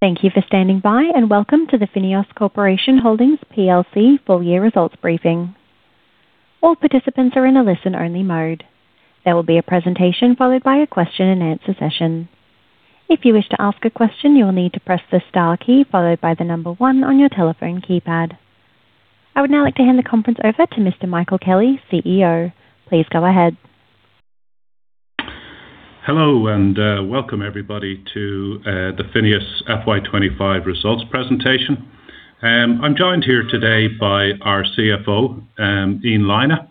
Thank you for standing by, and welcome to the FINEOS Corporation Holdings Plc full year results briefing. All participants are in a listen-only mode. There will be a presentation followed by a question and answer session. If you wish to ask a question, you will need to press the star key followed by the number one on your telephone keypad. I would now like to hand the conference over to Mr. Michael Kelly, CEO. Please go ahead. Hello, welcome everybody to the FINEOS FY 2025 results presentation. I'm joined here today by our CFO, Ian Lynagh,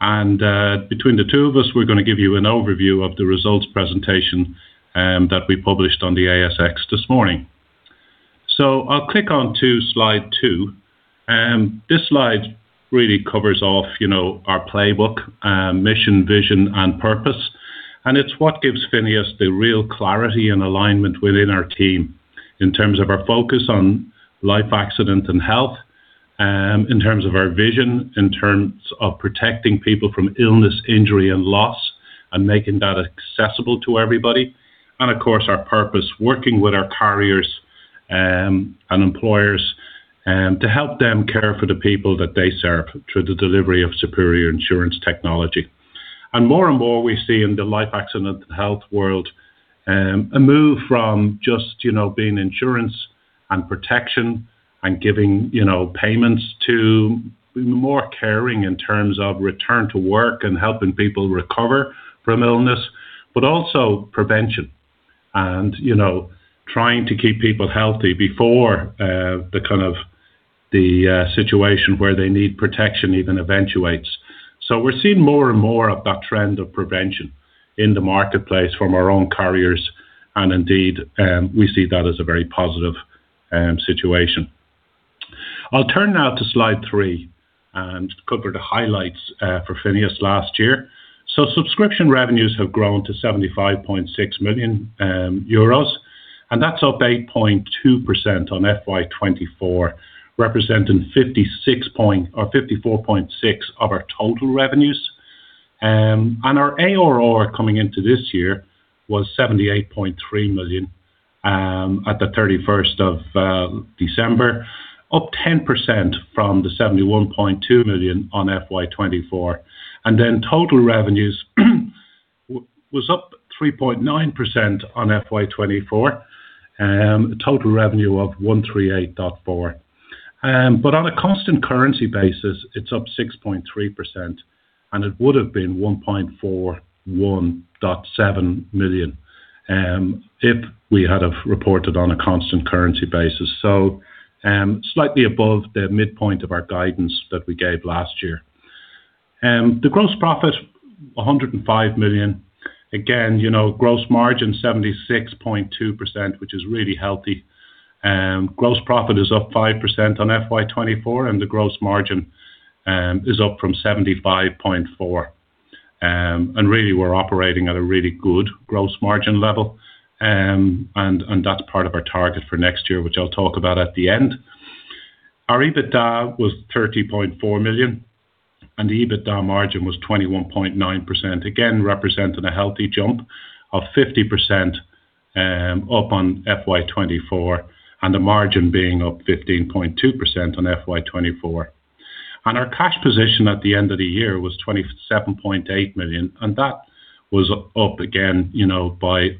and between the two of us, we're gonna give you an overview of the results presentation, that we published on the ASX this morning. I'll click on to slide two. This slide really covers off, you know, our playbook, mission, vision, and purpose, and it's what gives FINEOS the real clarity and alignment within our team in terms of our focus on Life, Accident and Health. In terms of our vision, in terms of protecting people from illness, injury, and loss, and making that accessible to everybody. Of course, our purpose, working with our carriers, and employers, to help them care for the people that they serve through the delivery of superior insurance technology. More and more, we see in the life accident health world, a move from just, you know, being insurance and protection and giving, you know, payments to more caring in terms of return to work and helping people recover from illness. Also prevention and, you know, trying to keep people healthy before the kind of the situation where they need protection even eventuates. We're seeing more and more of that trend of prevention in the marketplace from our own carriers, and indeed, we see that as a very positive situation. I'll turn now to slide three and cover the highlights for FINEOS last year. Subscription revenues have grown to 75.6 million euros, and that's up 8.2% on FY 2024, representing 54.6% of our total revenues. Our ARR coming into this year was $78.3 million at the December 31st, up 10% from the $71.2 million on FY 2024. Total revenues was up 3.9% on FY 2024. A total revenue of $138.4 million. On a constant currency basis, it's up 6.3%, and it would have been $141.7 million if we had have reported on a constant currency basis. Slightly above the midpoint of our guidance that we gave last year. The gross profit, $105 million. Again, you know, gross margin 76.2%, which is really healthy. Gross profit is up 5% on FY 2024, and the gross margin is up from 75.4%. Really, we're operating at a really good gross margin level. That's part of our target for next year, which I'll talk about at the end. Our EBITDA was 30.4 million, and the EBITDA margin was 21.9%, again, representing a healthy jump of 50% up on FY 2024, and the margin being up 15.2% on FY 2024. Our cash position at the end of the year was 27.8 million, and that was up again, you know, by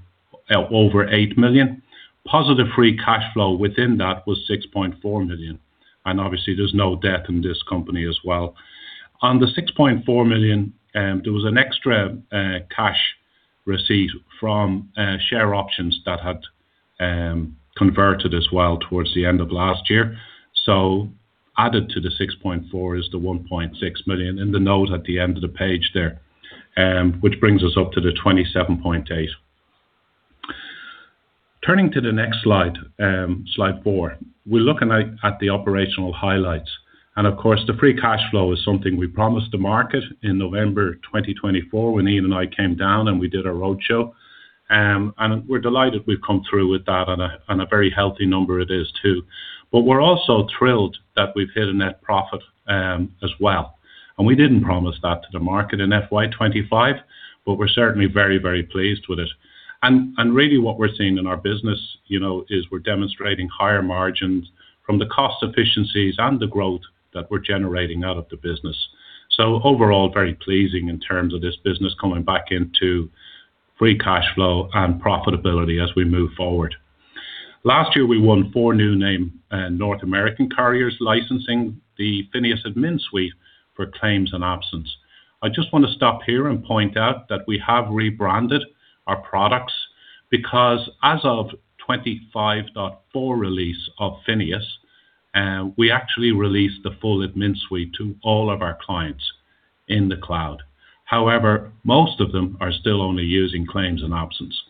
over 8 million. Positive free cash flow within that was 6.4 million, and obviously there's no debt in this company as well. On the 6.4 million, there was an extra cash receipt from share options that had converted as well towards the end of last year. Added to the 6.4 is the 1.6 million, in the note at the end of the page there, which brings us up to the 27.8. Turning to the next slide four. We're looking at the operational highlights, and of course, the free cash flow is something we promised the market in November 2024 when Ian and I came down and we did a roadshow. We're delighted we've come through with that, and a very healthy number it is too. We're also thrilled that we've hit a net profit as well. We didn't promise that to the market in FY 2025, but we're certainly very, very pleased with it. Really what we're seeing in our business, you know, is we're demonstrating higher margins from the cost efficiencies and the growth that we're generating out of the business. Overall, very pleasing in terms of this business coming back into free cash flow and profitability as we move forward. Last year, we won four new name North American carriers licensing the FINEOS AdminSuite for Claims and Absence. I just want to stop here and point out that we have rebranded our products because as of 25.4 release of FINEOS, we actually released the full AdminSuite to all of our clients in the cloud. However, most of them are still only using Claims and Absence.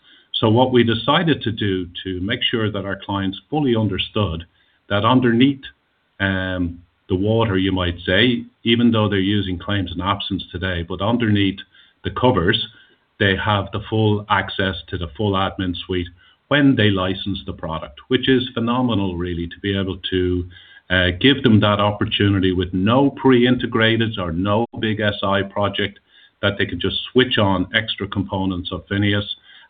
What we decided to do to make sure that our clients fully understood that underneath, the water, you might say, even though they're using claims and absence today, but underneath the covers, they have the full access to the full AdminSuite when they license the product. Which is phenomenal, really, to be able to give them that opportunity with no pre-integrated or no big SI project, that they can just switch on extra components of FINEOS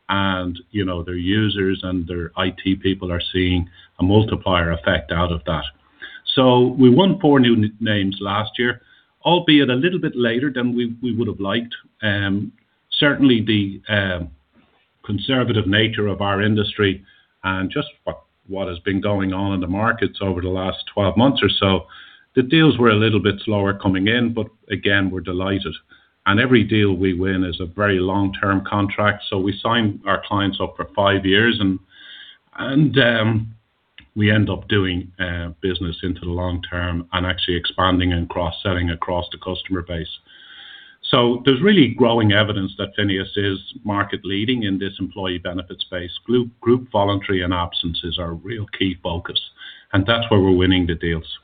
and, you know, their users and their IT people are seeing a multiplier effect out of that. We won four new names last year, albeit a little bit later than we would have liked. Certainly the conservative nature of our industry and just what has been going on in the markets over the last 12 months or so, the deals were a little bit slower coming in, but again, we're delighted. Every deal we win is a very long-term contract, so we sign our clients up for five years and we end up doing business into the long term and actually expanding and cross-selling across the customer base. There's really growing evidence that FINEOS is market leading in this employee benefit space. Group, group voluntary and absences are a real key focus, and that's where we're winning the deals.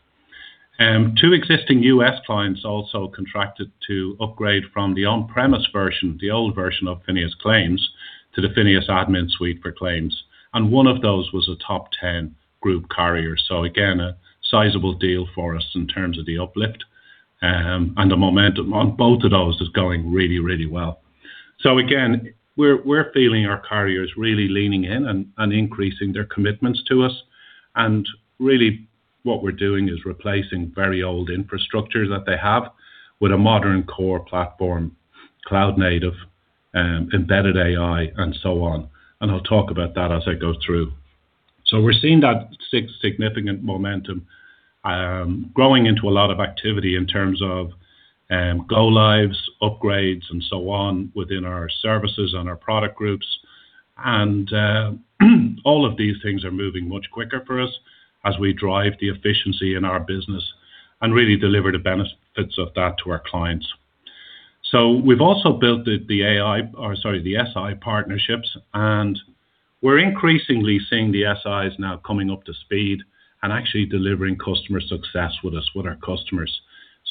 Two existing U.S. clients also contracted to upgrade from the on-premise version, the old version of FINEOS Claims, to the FINEOS AdminSuite for claims, and one of those was a top 10 group carrier. A sizable deal for us in terms of the uplift, and the momentum on both of those is going really, really well. Again, we're feeling our carriers really leaning in and increasing their commitments to us. Really what we're doing is replacing very old infrastructure that they have with a modern core platform, cloud native, embedded AI, and so on. I'll talk about that as I go through. We're seeing that significant momentum, growing into a lot of activity in terms of go lives, upgrades, and so on within our services and our product groups. All of these things are moving much quicker for us as we drive the efficiency in our business and really deliver the benefits of that to our clients. We've also built the SI partnerships, and we're increasingly seeing the SIs now coming up to speed and actually delivering customer success with us, with our customers.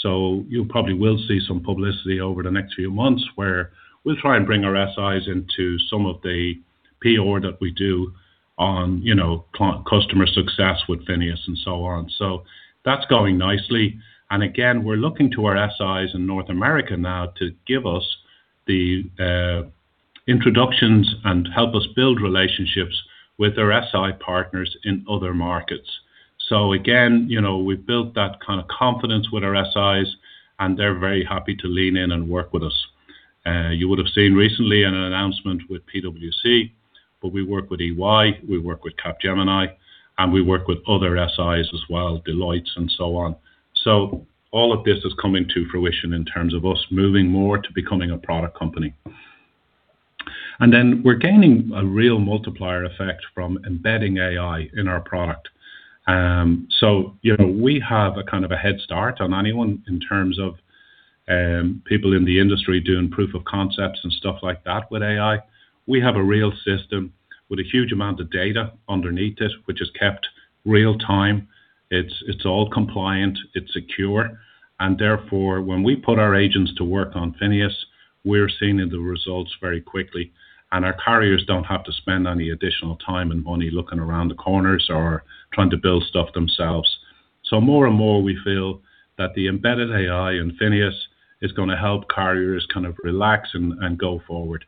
You probably will see some publicity over the next few months, where we'll try and bring our SIs into some of the PR that we do on, you know, customer success with FINEOS and so on. That's going nicely. Again, we're looking to our SIs in North America now to give us the introductions and help us build relationships with their SI partners in other markets. Again, you know, we've built that kind of confidence with our SIs, and they're very happy to lean in and work with us. You would have seen recently an announcement with PwC. We work with EY, we work with Capgemini, and we work with other SIs as well, Deloitte and so on. All of this is coming to fruition in terms of us moving more to becoming a product company. Then we're gaining a real multiplier effect from embedding AI in our product. You know, we have a kind of a head start on anyone in terms of people in the industry doing proof of concepts and stuff like that with AI. We have a real system with a huge amount of data underneath it, which is kept real time. It's all compliant, it's secure. Therefore, when we put our agents to work on FINEOS, we're seeing the results very quickly, and our carriers don't have to spend any additional time and money looking around the corners or trying to build stuff themselves. More and more, we feel that the embedded AI in FINEOS is gonna help carriers kind of relax and go forward.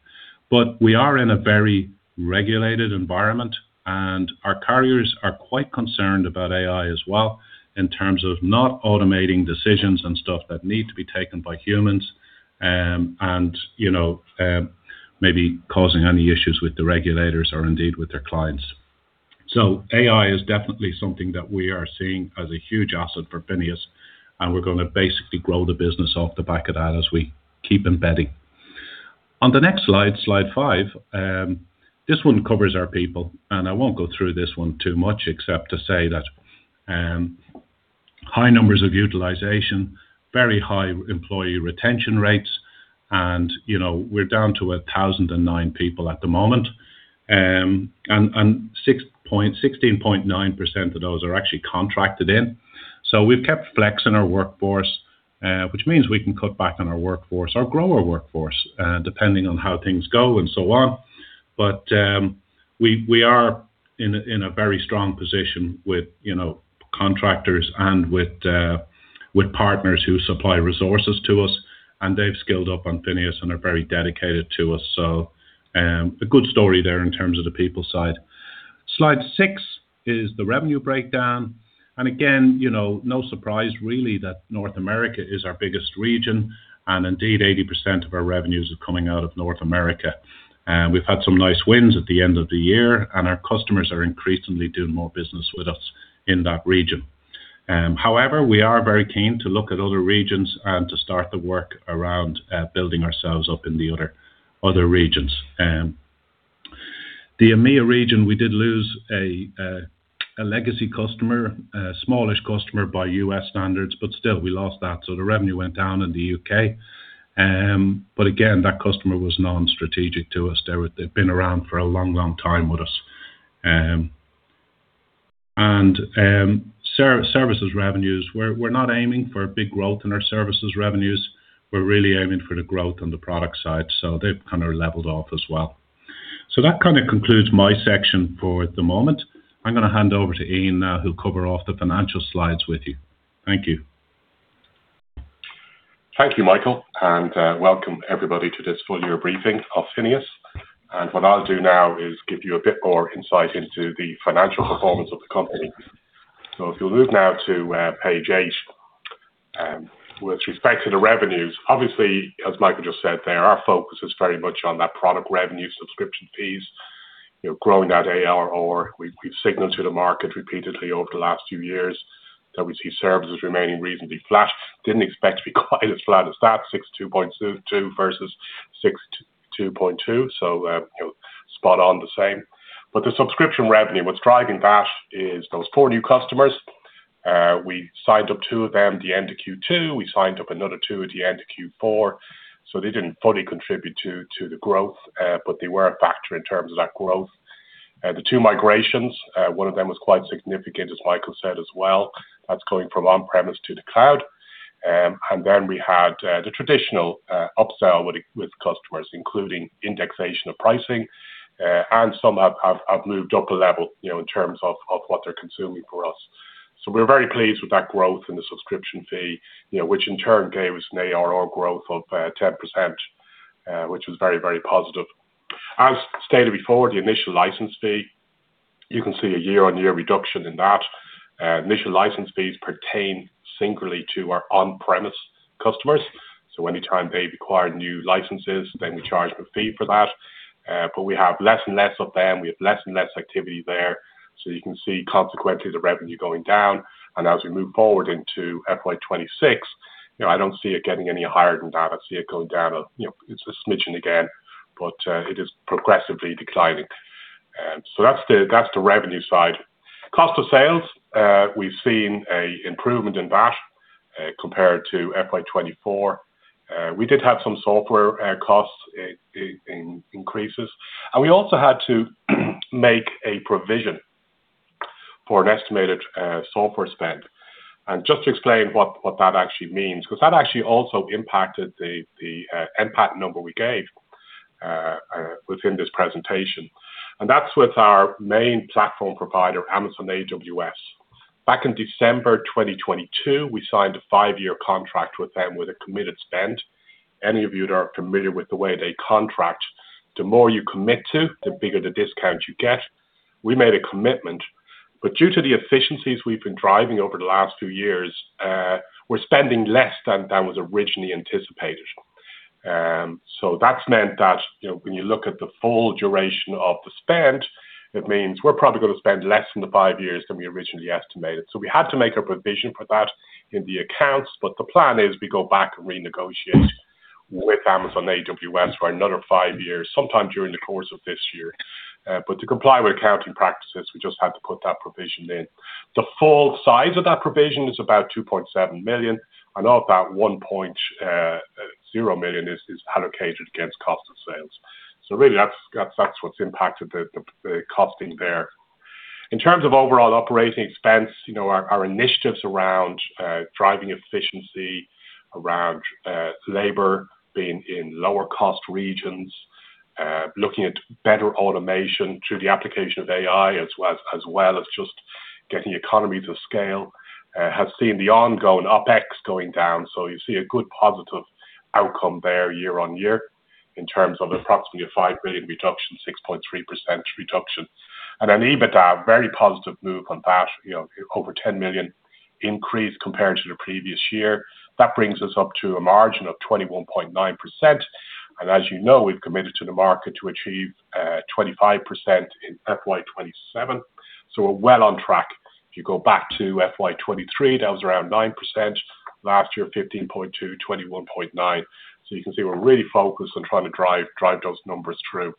We are in a very regulated environment, and our carriers are quite concerned about AI as well, in terms of not automating decisions and stuff that need to be taken by humans, and, you know, maybe causing any issues with the regulators or indeed with their clients. AI is definitely something that we are seeing as a huge asset for FINEOS, and we're gonna basically grow the business off the back of that as we keep embedding. On the next slide five, this one covers our people. I won't go through this one too much, except to say that high numbers of utilization, very high employee retention rates, and, you know, we're down to 1,009 people at the moment. 16.9% of those are actually contracted in. We've kept flex in our workforce, which means we can cut back on our workforce or grow our workforce, depending on how things go and so on. We are in a very strong position with, you know, contractors and with partners who supply resources to us, and they've skilled up on FINEOS and are very dedicated to us. A good story there in terms of the people side. Slide six is the revenue breakdown, again, you know, no surprise really, that North America is our biggest region, indeed, 80% of our revenues are coming out of North America. We've had some nice wins at the end of the year, our customers are increasingly doing more business with us in that region. However, we are very keen to look at other regions and to start the work around building ourselves up in the other regions. The EMEA region, we did lose a legacy customer, a smallish customer by U.S. standards, but still, we lost that, the revenue went down in the U.K. Again, that customer was non-strategic to us. They've been around for a long, long time with us. services revenues, we're not aiming for big growth in our services revenues. We're really aiming for the growth on the product side, so they've kind of leveled off as well. That kinda concludes my section for the moment. I'm gonna hand over to Ian now, who'll cover off the financial slides with you. Thank you. Thank you, Michael, and welcome everybody to this full year briefing of FINEOS. What I'll do now is give you a bit more insight into the financial performance of the company. If you'll move now to page eight, with respect to the revenues, obviously, as Michael just said there, our focus is very much on that product revenue subscription fees, you know, growing that ARR. We've signaled to the market repeatedly over the last few years that we see services remaining reasonably flat. Didn't expect to be quite as flat as that, 62.2 versus 62.2, so, you know, spot on the same. The subscription revenue, what's driving that is those four new customers. We signed up two of them at the end of Q2. We signed up another two at the end of Q4, so they didn't fully contribute to the growth, but they were a factor in terms of that growth. The two migrations, one of them was quite significant, as Michael said as well. That's going from on-premise to the cloud. We had the traditional upsell with customers, including indexation of pricing, and some have moved up a level, you know, in terms of what they're consuming for us. We're very pleased with that growth in the subscription fee, you know, which in turn gave us an ARR growth of 10%, which was very, very positive. As stated before, the initial license fee, you can see a year-on-year reduction in that. Initial license fees pertain singularly to our on-premise customers. Anytime they require new licenses, then we charge a fee for that. We have less and less of them. We have less and less activity there, so you can see consequently the revenue going down. As we move forward into FY 2026, you know, I don't see it getting any higher than that. I see it going down a, you know, it's a smidgen again, but it is progressively declining. That's the, that's the revenue side. Cost of sales, we've seen a improvement in that, compared to FY 2024. We did have some software costs in increases, and we also had to make a provision for an estimated software spend. Just to explain what that actually means, because that actually also impacted the NPAT number we gave within this presentation. That's with our main platform provider, Amazon AWS. Back in December 2022, we signed a five-year contract with them with a committed spend. Any of you that are familiar with the way they contract, the more you commit to, the bigger the discount you get. We made a commitment, but due to the efficiencies we've been driving over the last two years, we're spending less than was originally anticipated. That's meant that, you know, when you look at the full duration of the spend, it means we're probably going to spend less in the five years than we originally estimated. We had to make a provision for that in the accounts, but the plan is we go back and renegotiate with Amazon AWS for another five years, sometime during the course of this year. To comply with accounting practices, we just had to put that provision in. The full size of that provision is about 2.7 million, and about 1.0 million is allocated against cost of sales. Really, that's what's impacted the costing there. In terms of overall operating expense, you know, our initiatives around driving efficiency, around labor being in lower cost regions, looking at better automation through the application of AI, as well as just getting economies of scale have seen the ongoing OpEx going down. You see a good positive outcome there year-on-year, in terms of approximately a $5 million reduction, 6.3% reduction. EBITDA, very positive move on that, you know, over $10 million increase compared to the previous year. That brings us up to a margin of 21.9%, and as you know, we've committed to the market to achieve 25% in FY 2027. We're well on track. If you go back to FY 2023, that was around 9%. Last year, 15.2%, 21.9%. You can see we're really focused on trying to drive those numbers through.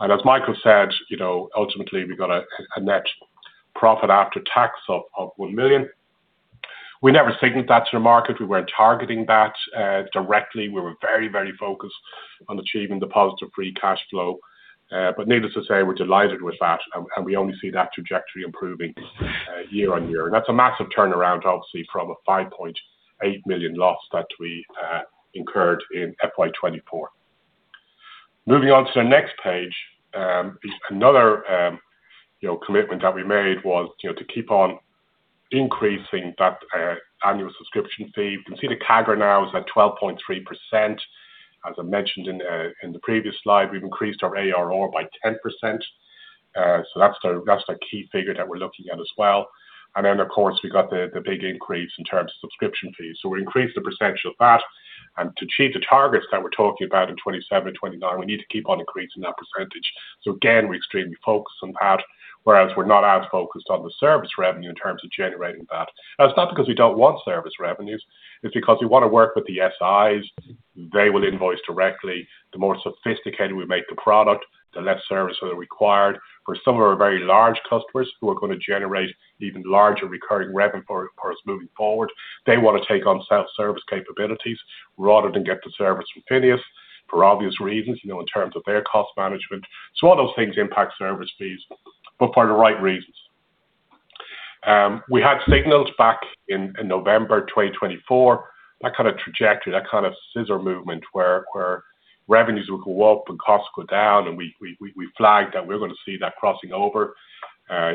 As Michael said, you know, ultimately, we got a net profit after tax of $1 million. We never signaled that to the market. We weren't targeting that directly. We were very, very focused on achieving the positive free cash flow. Needless to say, we're delighted with that, and we only see that trajectory improving year on year. That's a massive turnaround, obviously, from a $5.8 million loss that we incurred in FY 2024. Moving on to the next page, another, you know, commitment that we made was, you know, to keep on increasing that annual subscription fee. You can see the CAGR now is at 12.3%. As I mentioned in the previous slide, we've increased our ARR by 10%. So that's the key figure that we're looking at as well. Then, of course, we got the big increase in terms of subscription fees. We increased the percentage of that, and to achieve the targets that we're talking about in 2027 and 2029, we need to keep on increasing that percentage. Again, we're extremely focused on that, whereas we're not as focused on the service revenue in terms of generating that. It's not because we don't want service revenues, it's because we want to work with the SIs. They will invoice directly. The more sophisticated we make the product, the less services are required. For some of our very large customers who are going to generate even larger recurring revenue for us moving forward, they want to take on self-service capabilities rather than get the service from FINEOS, for obvious reasons, you know, in terms of their cost management. All those things impact service fees, but for the right reasons. We had signaled back in November 2024, that kind of trajectory, that kind of scissor movement, where revenues will go up and costs go down, and we flagged that we're going to see that crossing over.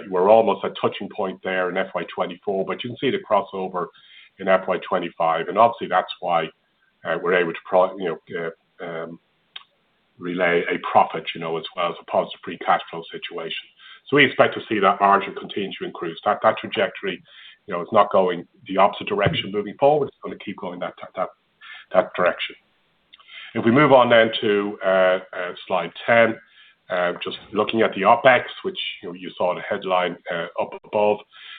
We're almost at touching point there in FY 2024, but you can see the crossover in FY 2025. Obviously, that's why we're able to, you know, relay a profit, you know, as well as a positive free cash flow situation. We expect to see that margin continue to increase. That trajectory, you know, is not going the opposite direction moving forward. It's going to keep going that direction. If we move on then to slide 10, just looking at the OpEx, which, you know, you saw the headline up above.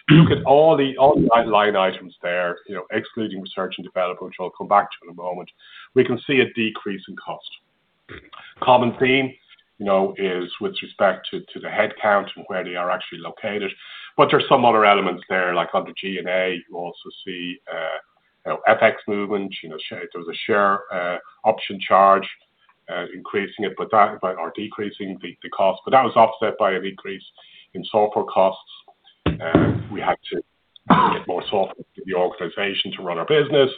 If you look at all the online items there, you know, excluding research and development, which I'll come back to in a moment, we can see a decrease in cost. Common theme, you know, is with respect to the headcount and where they are actually located. There are some other elements there, like under G&A, you also see, you know, FX movements. You know, there was a share option charge, increasing it, or decreasing the cost. That was offset by a decrease in software costs. We had to get more software to the organization to run our business,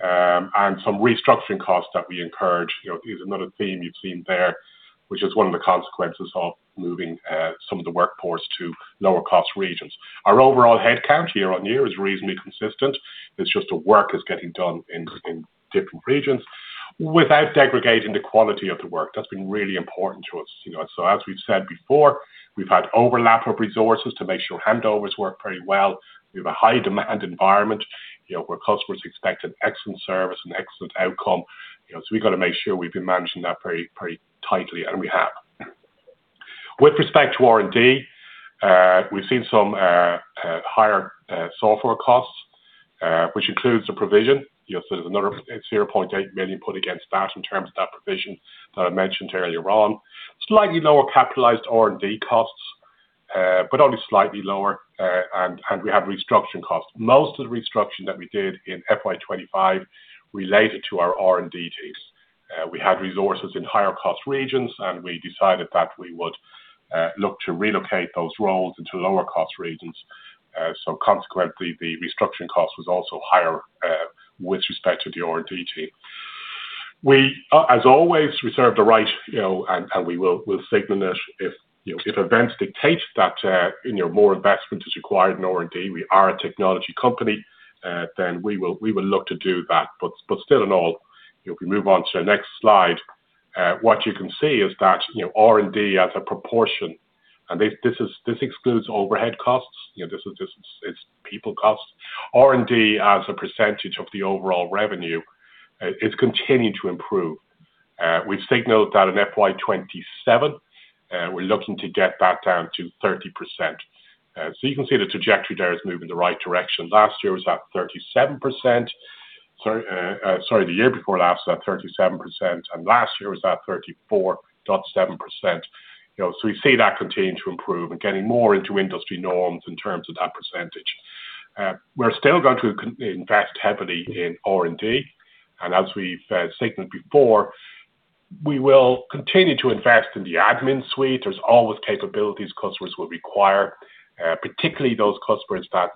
and some restructuring costs that we incurred. You know, here's another theme you've seen there, which is one of the consequences of moving some of the workforce to lower-cost regions. Our overall headcount year-on-year is reasonably consistent. It's just the work is getting done in different regions without segregating the quality of the work. That's been really important to us, you know. As we've said before, we've had overlap of resources to make sure handovers work very well. We have a high demand environment, you know, where customers expect an excellent service and excellent outcome, you know, we've got to make sure we've been managing that very, very tightly, and we have. With respect to R&D, we've seen some higher software costs, which includes the provision. You know, there's another 0.8 million put against that in terms of that provision that I mentioned earlier on. Slightly lower capitalized R&D costs, but only slightly lower, and we have restructuring costs. Most of the restructuring that we did in FY 2025 related to our R&D teams. We had resources in higher cost regions, and we decided that we would look to relocate those roles into lower cost regions. Consequently, the restructuring cost was also higher with respect to the R&D team. We, as always, reserve the right, you know, and we will, we'll signal it if, you know, if events dictate that, you know, more investment is required in R&D, we are a technology company, then we will, we will look to do that. Still in all, if we move on to the next slide, what you can see is that, you know, R&D as a proportion... This excludes overhead costs. You know, this is just, it's people costs. R&D as a percentage of the overall revenue is continuing to improve. We've signaled that in FY 2027, we're looking to get that down to 30%. You can see the trajectory there is moving in the right direction. Last year was at 37%. Sorry, the year before last was at 37%, and last year was at 34.7%. You know, we see that continuing to improve and getting more into industry norms in terms of that percentage. We're still going to invest heavily in R&D, and as we've signaled before, we will continue to invest in the AdminSuite. There's always capabilities customers will require, particularly those customers that,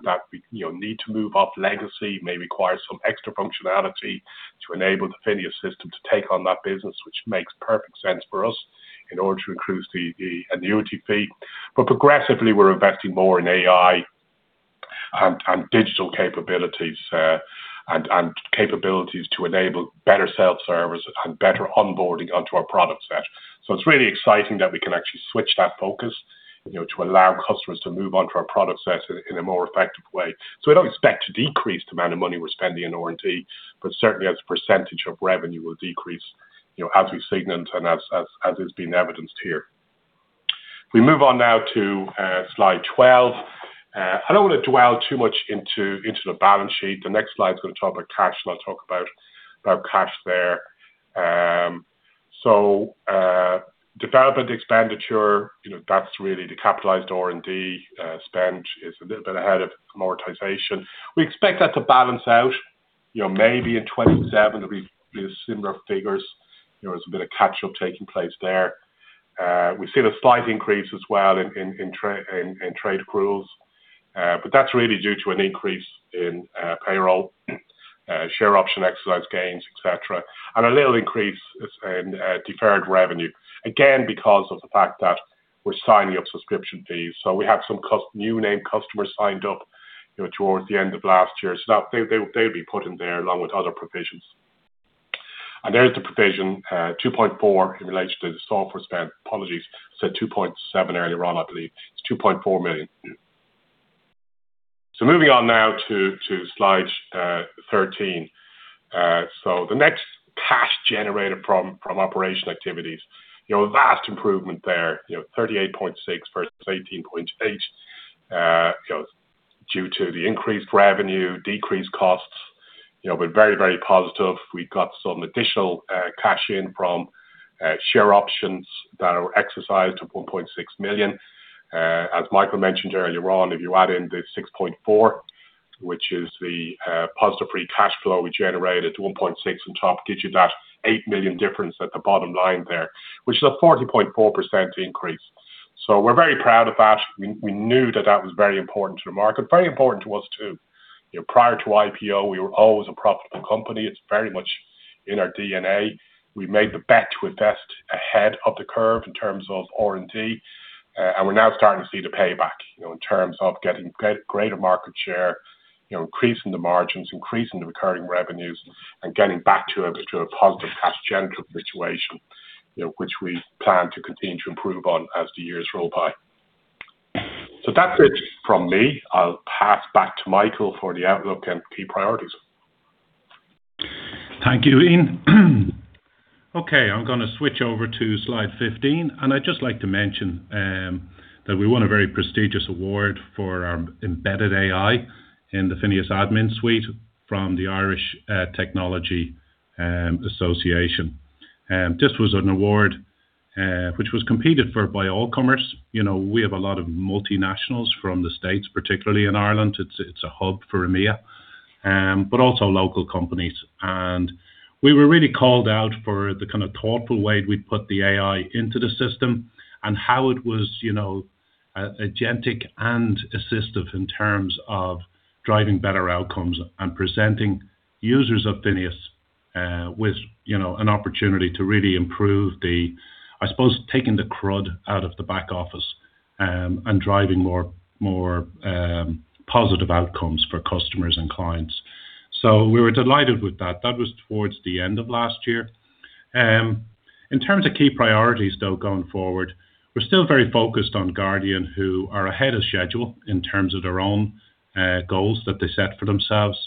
you know, need to move off legacy, may require some extra functionality to enable the FINEOS system to take on that business, which makes perfect sense for us in order to increase the annuity fee. Progressively, we're investing more in AI and digital capabilities, and capabilities to enable better self-service and better onboarding onto our product set. It's really exciting that we can actually switch that focus, you know, to allow customers to move on to our product set in a more effective way. We don't expect to decrease the amount of money we're spending in R&D, but certainly as a percentage of revenue will decrease, you know, as we've signaled and as has been evidenced here. We move on now to slide 12. I don't want to dwell too much into the balance sheet. The next slide is going to talk about cash, and I'll talk about cash there. Development expenditure, you know, that's really the capitalized R&D. Spend is a little bit ahead of amortization. We expect that to balance out, you know, maybe in 2027 there'll be similar figures. You know, there's a bit of catch-up taking place there. We see a slight increase as well in trade accruals, but that's really due to an increase in payroll, share option, exercise gains, et cetera, and a little increase in deferred revenue. Again, because of the fact that we're signing up subscription fees. We have some new name customers signed up, you know, towards the end of last year. That they'll be put in there along with other provisions. There's the provision 2.4 in relation to the software spend. Apologies, I said 2.7 earlier on, I believe. It's 2.4 million. Moving on now to slide 13. The next cash generated from operation activities, you know, a vast improvement there, you know, 38.6 versus 18.8. You know, due to the increased revenue, decreased costs, you know, we're very, very positive. We got some additional cash in from share options that were exercised to 1.6 million. As Michael mentioned earlier on, if you add in the 6.4, which is the positive free cash flow we generated to 1.6 on top, gives you that 8 million difference at the bottom line there, which is a 40.4% increase. We're very proud of that. We knew that that was very important to the market, very important to us, too. You know, prior to IPO, we were always a profitable company. It's very much in our DNA. We made the bet to invest ahead of the curve in terms of R&D. We're now starting to see the payback, you know, in terms of getting greater market share, you know, increasing the margins, increasing the recurring revenues, and getting back to a positive cash generative situation, you know, which we plan to continue to improve on as the years roll by. That's it from me. I'll pass back to Michael for the outlook and key priorities. Thank you, Ian. Okay, I'm going to switch over to slide 15, and I'd just like to mention that we won a very prestigious award for our embedded AI in the FINEOS AdminSuite from Technology Ireland. This was an award which was competed for by all comers. You know, we have a lot of multinationals from the States, particularly in Ireland. It's a hub for EMEA, but also local companies. We were really called out for the kind of thoughtful way we'd put the AI into the system and how it was, you know, agentic and assistive in terms of driving better outcomes and presenting users of FINEOS with, you know, an opportunity to really improve the... I suppose, taking the crud out of the back office, and driving more positive outcomes for customers and clients. We were delighted with that. That was towards the end of last year. In terms of key priorities, though, going forward, we're still very focused on Guardian, who are ahead of schedule in terms of their own goals that they set for themselves.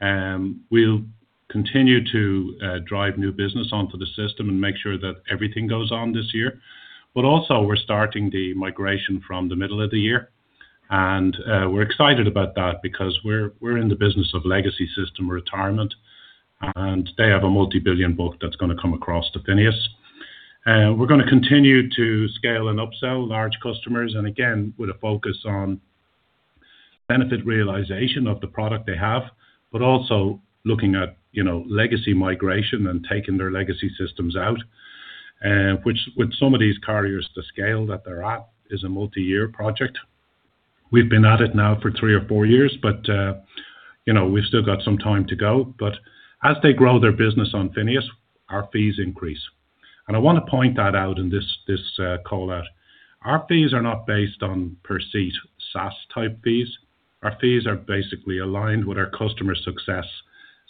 We'll continue to drive new business onto the system and make sure that everything goes on this year. Also, we're starting the migration from the middle of the year, and we're excited about that because we're in the business of legacy system retirement, and they have a multi-billion book that's going to come across to FINEOS. We're going to continue to scale and upsell large customers, and again, with a focus on benefit realization of the product they have, but also looking at, you know, legacy migration and taking their legacy systems out, which with some of these carriers, the scale that they're at is a multi-year project. We've been at it now for three or four years, but, you know, we've still got some time to go. As they grow their business on FINEOS, our fees increase. I want to point that out in this call-out. Our fees are not based on per seat SaaS-type fees. Our fees are basically aligned with our customer success.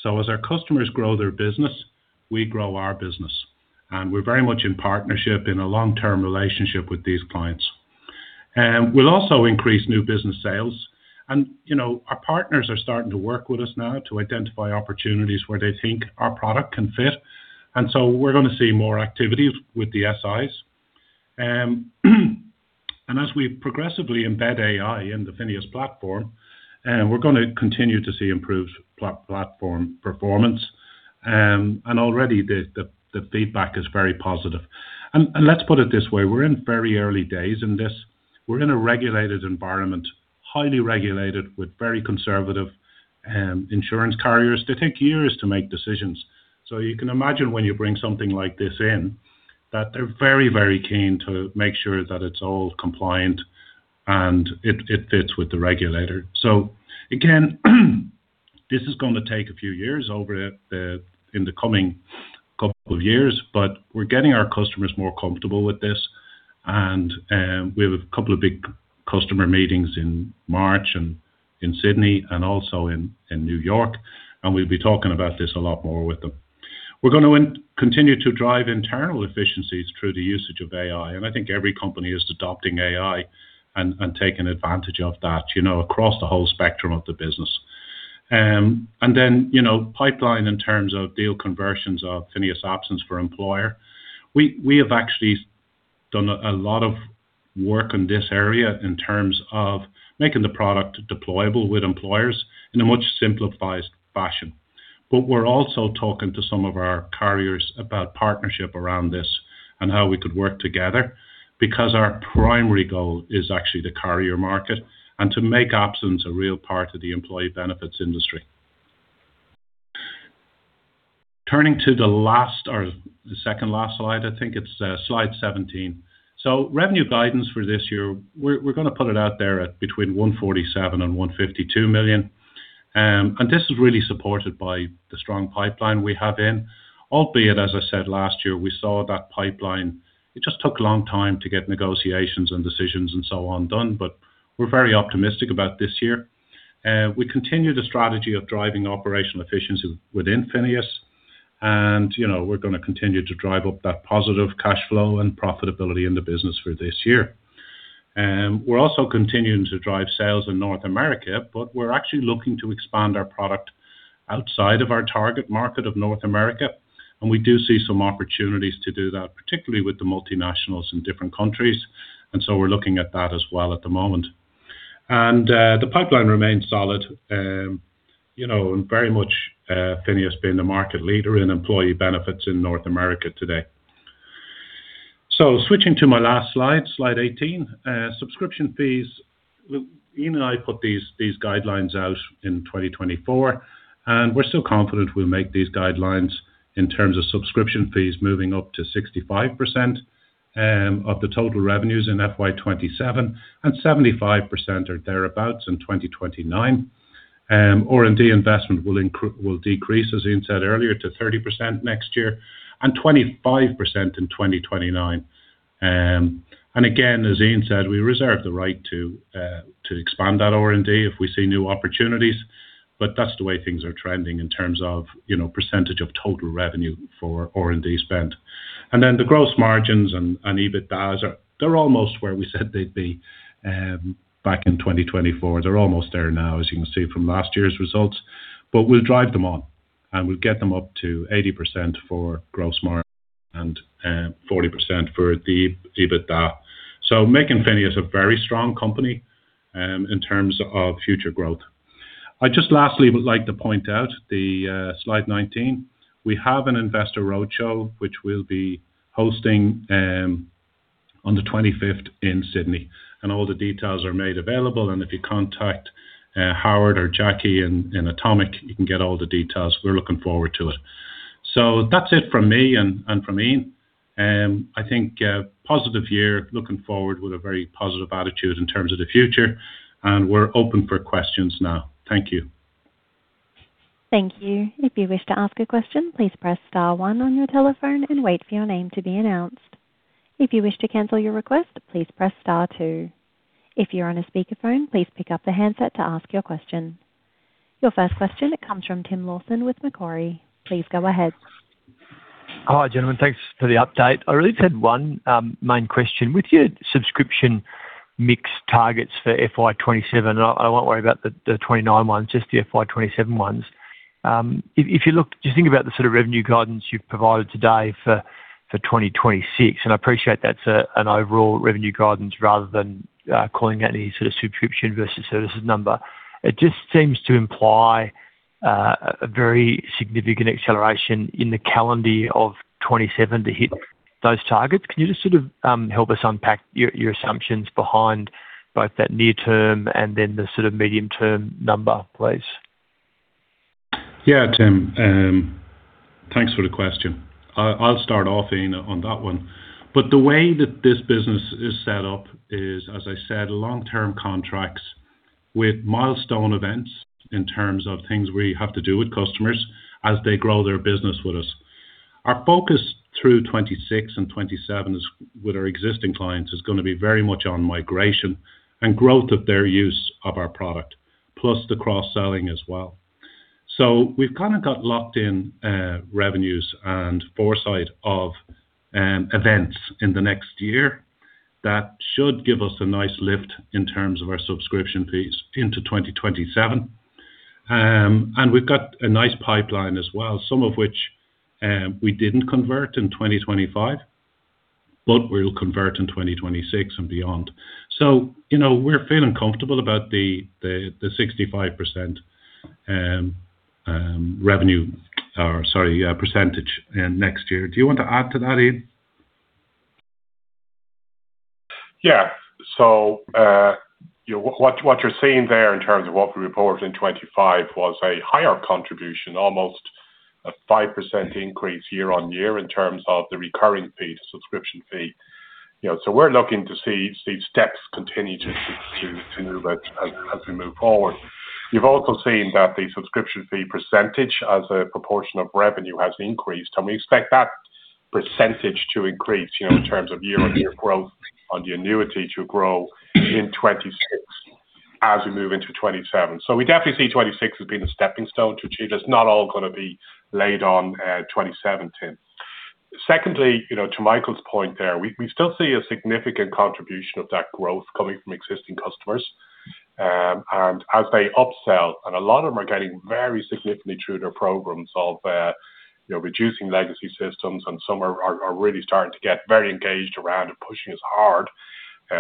As our customers grow their business, we grow our business, and we're very much in partnership in a long-term relationship with these clients. We'll also increase new business sales, and, you know, our partners are starting to work with us now to identify opportunities where they think our product can fit, and so we're going to see more activities with the SIs. As we progressively embed AI in the FINEOS platform, we're going to continue to see improved platform performance, and already the feedback is very positive. Let's put it this way: we're in very early days in this. We're in a regulated environment, highly regulated, with very conservative insurance carriers. They take years to make decisions, so you can imagine when you bring something like this in, that they're very, very keen to make sure that it's all compliant, and it fits with the regulator. Again, this is going to take a few years over the in the coming couple of years. We're getting our customers more comfortable with this, and we have a couple of big customer meetings in March and in Sydney and also in New York. We'll be talking about this a lot more with them. We're going to continue to drive internal efficiencies through the usage of AI. I think every company is adopting AI and taking advantage of that, you know, across the whole spectrum of the business. Then, you know, pipeline in terms of deal conversions of FINEOS Absence for employer. We have actually done a lot of work in this area in terms of making the product deployable with employers in a much simplified fashion. We're also talking to some of our carriers about partnership around this and how we could work together, because our primary goal is actually the carrier market and to make Absence a real part of the employee benefits industry. Turning to the last or the second last slide, I think it's slide 17. Revenue guidance for this year, we're going to put it out there at between $147 million and $152 million. And this is really supported by the strong pipeline we have in, albeit, as I said, last year, we saw that pipeline. It just took a long time to get negotiations and decisions and so on done, but we're very optimistic about this year. We continue the strategy of driving operational efficiency within FINEOS, and, you know, we're going to continue to drive up that positive cash flow and profitability in the business for this year. We're also continuing to drive sales in North America, but we're actually looking to expand our product outside of our target market of North America, and we do see some opportunities to do that, particularly with the multinationals in different countries, and so we're looking at that as well at the moment. The pipeline remains solid, you know, and very much FINEOS being the market leader in employee benefits in North America today. Switching to my last slide 18. Subscription fees, look, Ian and I put these guidelines out in 2024. We're still confident we'll make these guidelines in terms of subscription fees moving up to 65% of the total revenues in FY 2027, and 75% or thereabouts in 2029. R&D investment will decrease, as Ian said earlier, to 30% next year, and 25% in 2029. Again, as Ian said, we reserve the right to expand that R&D if we see new opportunities, but that's the way things are trending in terms of, you know, percentage of total revenue for R&D spend. The gross margins and EBITDAs are, they're almost where we said they'd be back in 2024. They're almost there now, as you can see from last year's results. We'll drive them on, and we'll get them up to 80% for gross margin and 40% for the EBITDA. Making FINEOS is a very strong company in terms of future growth. I just lastly would like to point out the slide 19. We have an investor roadshow, which we'll be hosting on the 25th in Sydney, and all the details are made available, and if you contact Howard or Jackie in Automic, you can get all the details. We're looking forward to it. That's it from me and from Ian. I think a positive year, looking forward with a very positive attitude in terms of the future, and we're open for questions now. Thank you. Thank you. If you wish to ask a question, please press star one on your telephone and wait for your name to be announced. If you wish to cancel your request, please press star two. If you're on a speakerphone, please pick up the handset to ask your question. Your first question comes from Tim Lawson with Macquarie. Please go ahead. Hi, gentlemen. Thanks for the update. I really just had one main question. With your subscription mix targets for FY 2027, I won't worry about the 2029 ones, just the FY 2027 ones. If you think about the sort of revenue guidance you've provided today for 2026, and I appreciate that's an overall revenue guidance rather than calling out any sort of subscription versus services number, it just seems to imply a very significant acceleration in the calendar year of 2027 to hit those targets. Can you just sort of help us unpack your assumptions behind both that near term and then the sort of medium term number, please? Yeah, Tim, thanks for the question. I'll start off, Ian, on that one. The way that this business is set up is, as I said, long-term contracts with milestone events in terms of things we have to do with customers as they grow their business with us. Our focus through 2026 and 2027 is, with our existing clients, is going to be very much on migration and growth of their use of our product, plus the cross-selling as well. We've kind of got locked-in revenues and foresight of events in the next year. That should give us a nice lift in terms of our subscription fees into 2027. We've got a nice pipeline as well, some of which we didn't convert in 2025, but we'll convert in 2026 and beyond. You know, we're feeling comfortable about the 65% revenue, or sorry, percentage in next year. Do you want to add to that, Ian? Yeah. You know, what you're seeing there in terms of what we reported in 2025 was a higher contribution, almost a 5% increase year-on-year in terms of the recurring fee, the subscription fee. You know, so we're looking to see these steps continue to move as we move forward. You've also seen that the subscription fee % as a proportion of revenue has increased, and we expect that percentage to increase, you know, in terms of year-on-year growth on the annuity to grow in 2026 as we move into 2027. We definitely see 2026 as being a stepping stone to achieve. It's not all gonna be laid on 2070. Secondly, you know, to Michael's point there, we still see a significant contribution of that growth coming from existing customers, and as they upsell, and a lot of them are getting very significantly through their programs of, you know, reducing legacy systems, and some are really starting to get very engaged around and pushing us hard.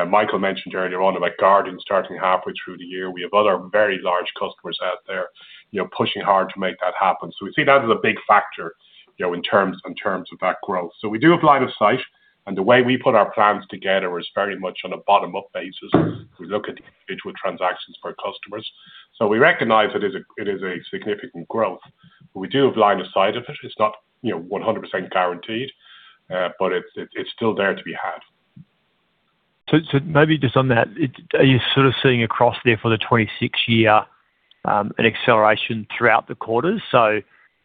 Michael mentioned earlier on about Guardian starting halfway through the year. We have other very large customers out there, you know, pushing hard to make that happen. We see that as a big factor, you know, in terms of that growth. We do have line of sight, and the way we put our plans together is very much on a bottom-up basis. We look at the individual transactions for our customers. We recognize it is a, it is a significant growth, but we do have line of sight of it. It's not, you know, 100% guaranteed, but it's still there to be had. Maybe just on that, are you sort of seeing across there for the 2026 year an acceleration throughout the quarters? Are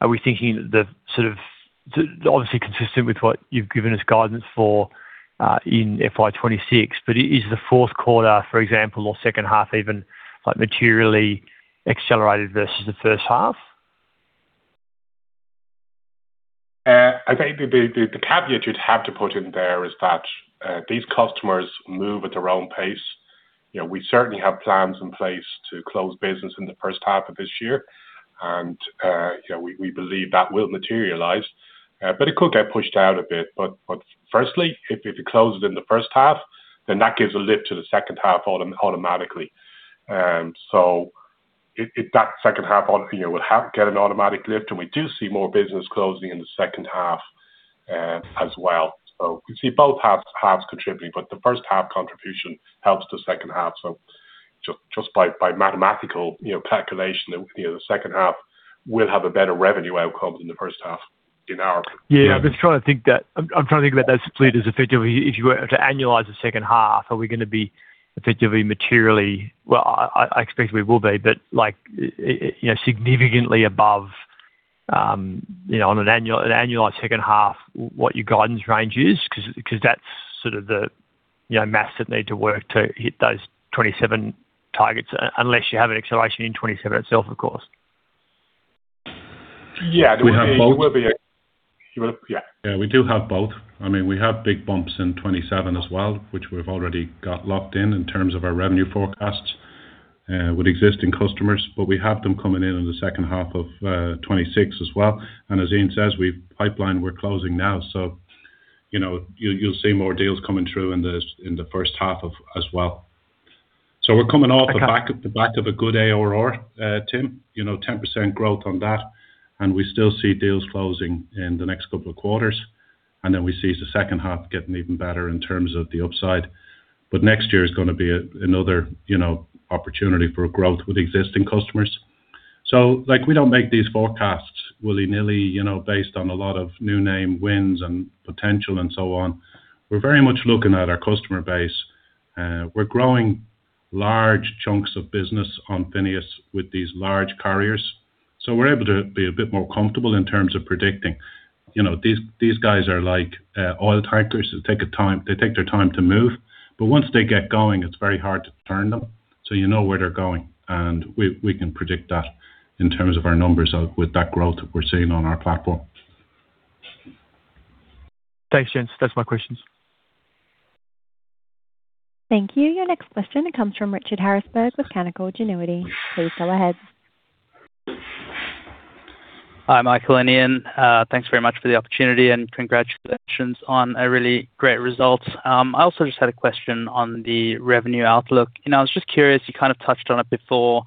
we thinking the sort of, obviously consistent with what you've given us guidance for in FY 2026, but is the fourth quarter, for example, or second half even, like, materially accelerated versus the first half? I think the caveat you'd have to put in there is that these customers move at their own pace. You know, we certainly have plans in place to close business in the first half of this year, and you know, we believe that will materialize, but it could get pushed out a bit. Firstly, if you close it in the first half, then that gives a lift to the second half automatically. It, that second half obviously will get an automatic lift, and we do see more business closing in the second half as well. We see both halves contributing, but the first half contribution helps the second half. Just by mathematical, you know, calculation, the second half. Will have a better revenue outcome than the first half in our- Yeah, I'm just trying to think I'm trying to think about that split as effectively, if you were to annualize the second half, are we gonna be effectively, materially? Well, I expect we will be, but like, you know, significantly above, you know, on an annualized second half, what your guidance range is? 'Cause that's sort of the, you know, math that need to work to hit those 27 targets, unless you have an acceleration in 2027 itself, of course. We have both. Yeah. Yeah, we do have both. I mean, we have big bumps in 2027 as well, which we've already got locked in in terms of our revenue forecasts, with existing customers. We have them coming in in the second half of 2026 as well. As Ian says, we've pipeline we're closing now, so, you know, you'll see more deals coming through in the first half of as well. We're coming off the back of. Okay. The back of a good ARR, Tim, you know, 10% growth on that. We still see deals closing in the next couple of quarters. We see the second half getting even better in terms of the upside. Next year is gonna be another, you know, opportunity for growth with existing customers. Like, we don't make these forecasts willy-nilly, you know, based on a lot of new name wins and potential and so on. We're very much looking at our customer base. We're growing large chunks of business on FINEOS with these large carriers, so we're able to be a bit more comfortable in terms of predicting. You know, these guys are like oil tankers. They take their time to move, but once they get going, it's very hard to turn them. you know where they're going, and we can predict that in terms of our numbers out with that growth that we're seeing on our platform. Thanks, gents. That's my questions. Thank you. Your next question comes from Richard Harrisberg with Canaccord Genuity. Please go ahead. Hi, Michael and Ian. Thanks very much for the opportunity, congratulations on a really great result. I also just had a question on the revenue outlook, and I was just curious, you kind of touched on it before.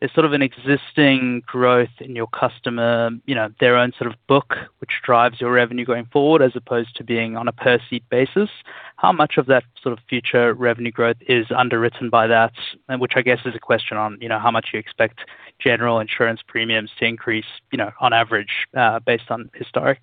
There's sort of an existing growth in your customer, you know, their own sort of book, which drives your revenue going forward, as opposed to being on a per-seat basis. How much of that sort of future revenue growth is underwritten by that? Which I guess is a question on, you know, how much you expect general insurance premiums to increase, you know, on average, based on historic.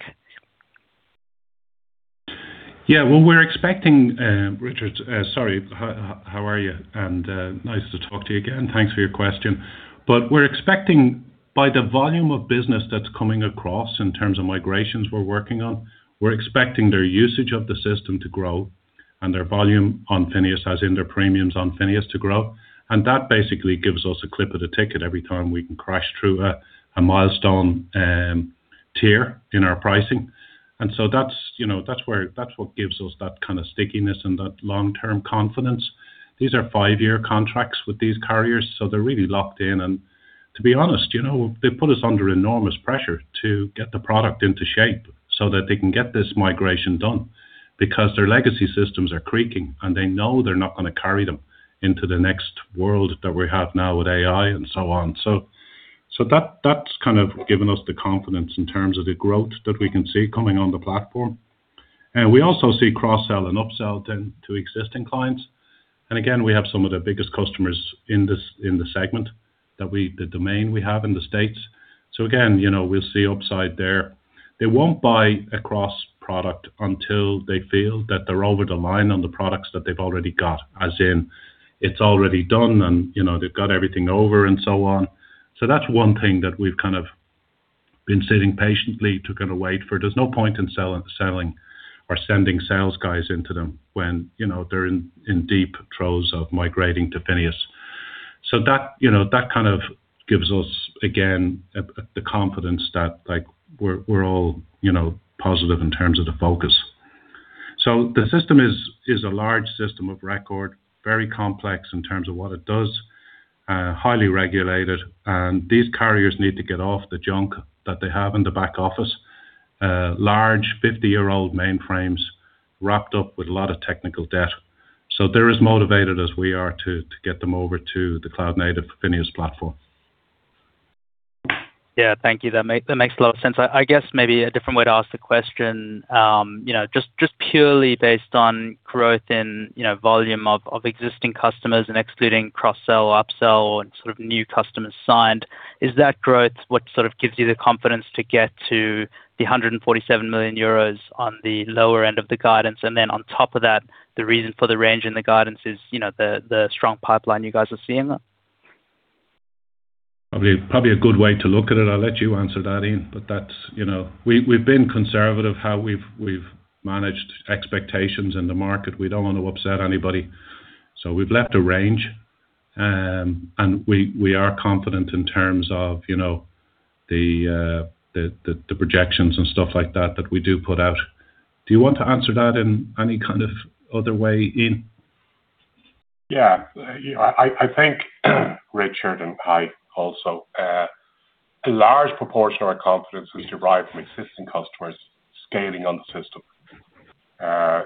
Yeah, well, we're expecting, Richard, sorry. How are you? Nice to talk to you again. Thanks for your question. We're expecting by the volume of business that's coming across in terms of migrations we're working on, we're expecting their usage of the system to grow and their volume on FINEOS, as in their premiums on FINEOS, to grow. That basically gives us a clip of the ticket every time we can crash through a milestone tier in our pricing. That's, you know, that's what gives us that kind of stickiness and that long-term confidence. These are five-year contracts with these carriers, they're really locked in. To be honest, you know, they put us under enormous pressure to get the product into shape so that they can get this migration done because their legacy systems are creaking, and they know they're not gonna carry them into the next world that we have now with AI and so on. That's kind of given us the confidence in terms of the growth that we can see coming on the platform. We also see cross-sell and up-sell then to existing clients. Again, we have some of the biggest customers in this, in the segment, the domain we have in the States. Again, you know, we'll see upside there. They won't buy a cross product until they feel that they're over the line on the products that they've already got, as in it's already done and, you know, they've got everything over and so on. That's one thing that we've kind of been sitting patiently to kind of wait for. There's no point in sell-selling or sending sales guys into them when, you know, they're in deep throes of migrating to FINEOS. That, you know, that kind of gives us, again, the confidence that, like, we're all, you know, positive in terms of the focus. The system is a large system of record, very complex in terms of what it does, highly regulated, and these carriers need to get off the junk that they have in the back office. Large, 50-year-old mainframes wrapped up with a lot of technical debt. They're as motivated as we are to get them over to the cloud-native FINEOS platform. Thank you. That makes a lot of sense. I guess maybe a different way to ask the question, you know, just purely based on growth in, you know, volume of existing customers and excluding cross-sell or up-sell and sort of new customers signed, is that growth what sort of gives you the confidence to get to the 147 million euros on the lower end of the guidance? On top of that, the reason for the range in the guidance is, you know, the strong pipeline you guys are seeing then? Probably a good way to look at it. I'll let you answer that, Ian, but that's, you know. We've been conservative how we've managed expectations in the market. We don't want to upset anybody, so we've left a range. We are confident in terms of, you know, the projections and stuff like that we do put out. Do you want to answer that in any kind of other way, Ian? Yeah. I think, Richard, I also, a large proportion of our confidence is derived from existing customers scaling on the system.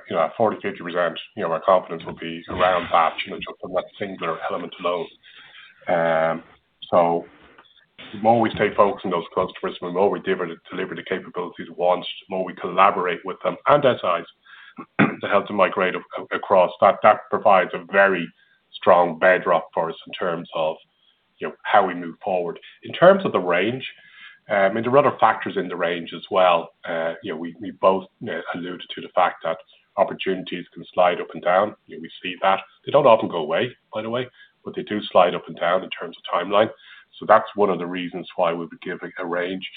You know, 40%-50%, you know, my confidence would be around that, you know, just from that singular element alone. The more we stay focused on those customers, the more we deliver the capabilities we want, the more we collaborate with them and their size. to help to migrate across, that provides a very strong backdrop for us in terms of, you know, how we move forward. In terms of the range, there are other factors in the range as well. You know, we both alluded to the fact that opportunities can slide up and down, and we see that. They don't often go away, by the way, but they do slide up and down in terms of timeline. That's one of the reasons why we've been giving a range.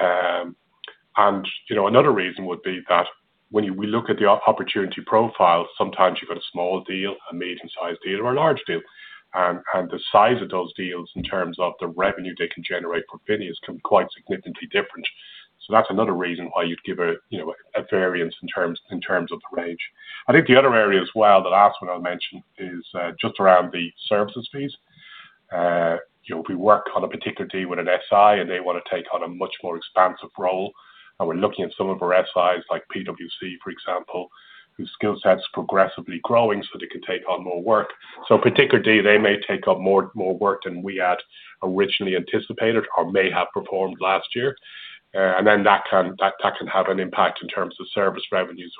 You know, another reason would be that when we look at the opportunity profile, sometimes you've got a small deal, a medium-sized deal, or a large deal. The size of those deals in terms of the revenue they can generate for FINEOS can be quite significantly different. That's another reason why you'd give a, you know, a variance in terms of the range. I think the other area as well, the last one I'll mention, is just around the services fees. You know, if we work on a particular deal with an SI, and they want to take on a much more expansive role, and we're looking at some of our SIs, like PwC, for example, whose skill set is progressively growing, so they can take on more work. Particularly, they may take up more work than we had originally anticipated or may have performed last year. Then that can have an impact in terms of service revenues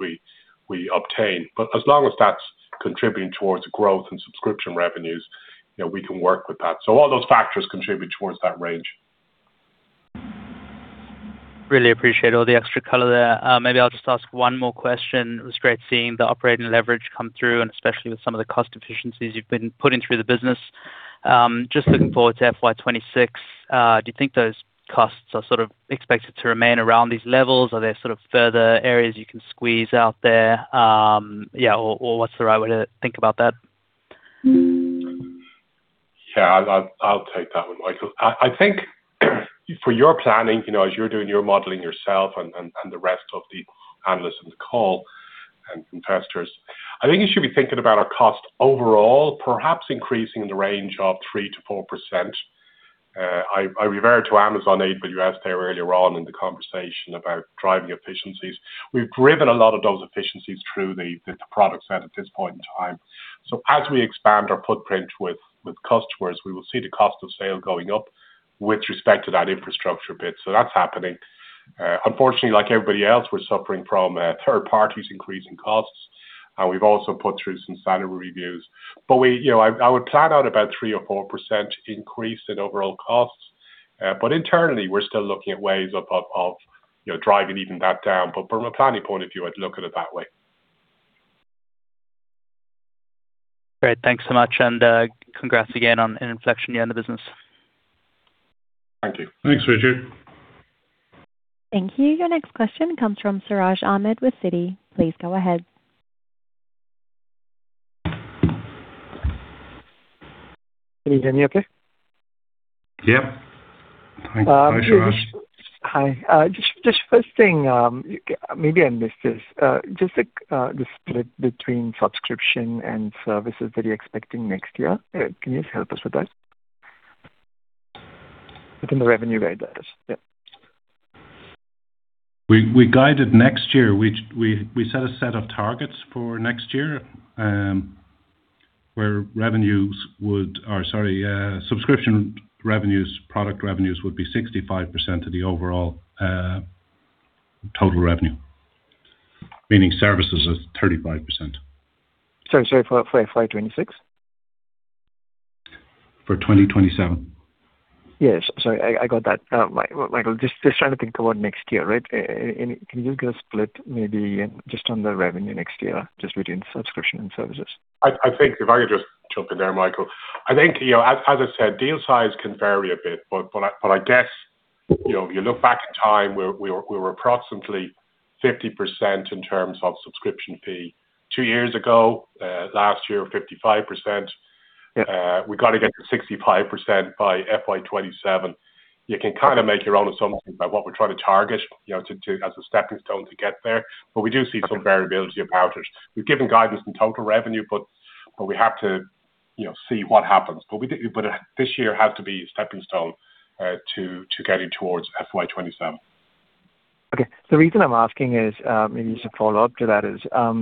we obtain. As long as that's contributing towards the growth and subscription revenues, you know, we can work with that. All those factors contribute towards that range. Really appreciate all the extra color there. Maybe I'll just ask one more question. It was great seeing the operating leverage come through, and especially with some of the cost efficiencies you've been putting through the business to FY 2026, do you think those costs are sort of expected to remain around these levels? Are there sort of further areas you can squeeze out there? Yeah, or what's the right way to think about that? Yeah, I'll take that one, Michael. I think, for your planning, you know, as you're doing your modeling yourself and the rest of the analysts on the call and investors, I think you should be thinking about our cost overall, perhaps increasing in the range of 3%-4%. I referred to Amazon, Abe, you asked there earlier on in the conversation about driving efficiencies. We've driven a lot of those efficiencies through the product set at this point in time. As we expand our footprint with customers, we will see the cost of sale going up with respect to that infrastructure bit, that's happening. Unfortunately, like everybody else, we're suffering from third parties increasing costs, we've also put through some salary reviews. You know, I would plan out about 3% or 4% increase in overall costs. Internally, we're still looking at ways of, you know, driving even that down. From a planning point of view, I'd look at it that way. Great. Thanks so much. Congrats again on an inflection year in the business. Thank you. Thanks, Richard. Thank you. Your next question comes from Sraj Ahmed with Citi. Please go ahead. Can you hear me okay? Yep. Hi, Siraj. Hi. just first thing, maybe I missed this, like the split between subscription and services that you're expecting next year. Can you help us with that? Within the revenue guidance, yep. We guided next year. We set a set of targets for next year, where, or sorry, subscription revenues, product revenues would be 65% of the overall total revenue, meaning services is 35%. Sorry, for FY 2026? For 2027. Yes. Sorry, I got that. Michael, just trying to think about next year, right? Can you give a split, maybe just on the revenue next year, just within subscription and services? I think if I could just jump in there, Michael. I think, you know, as I said, deal size can vary a bit, but I guess, you know, you look back in time, we were approximately 50% in terms of subscription fee. Two years ago, last year, 55%. Yeah. We've got to get to 65% by FY 2027. You can kind of make your own assumption about what we're trying to target, you know, to, as a stepping stone to get there, but we do see some variability about it. We've given guidance in total revenue, we have to, you know, see what happens. We did, this year has to be a stepping stone to getting towards FY 2027. Okay. The reason I'm asking is, maybe just a follow-up to that is, ARR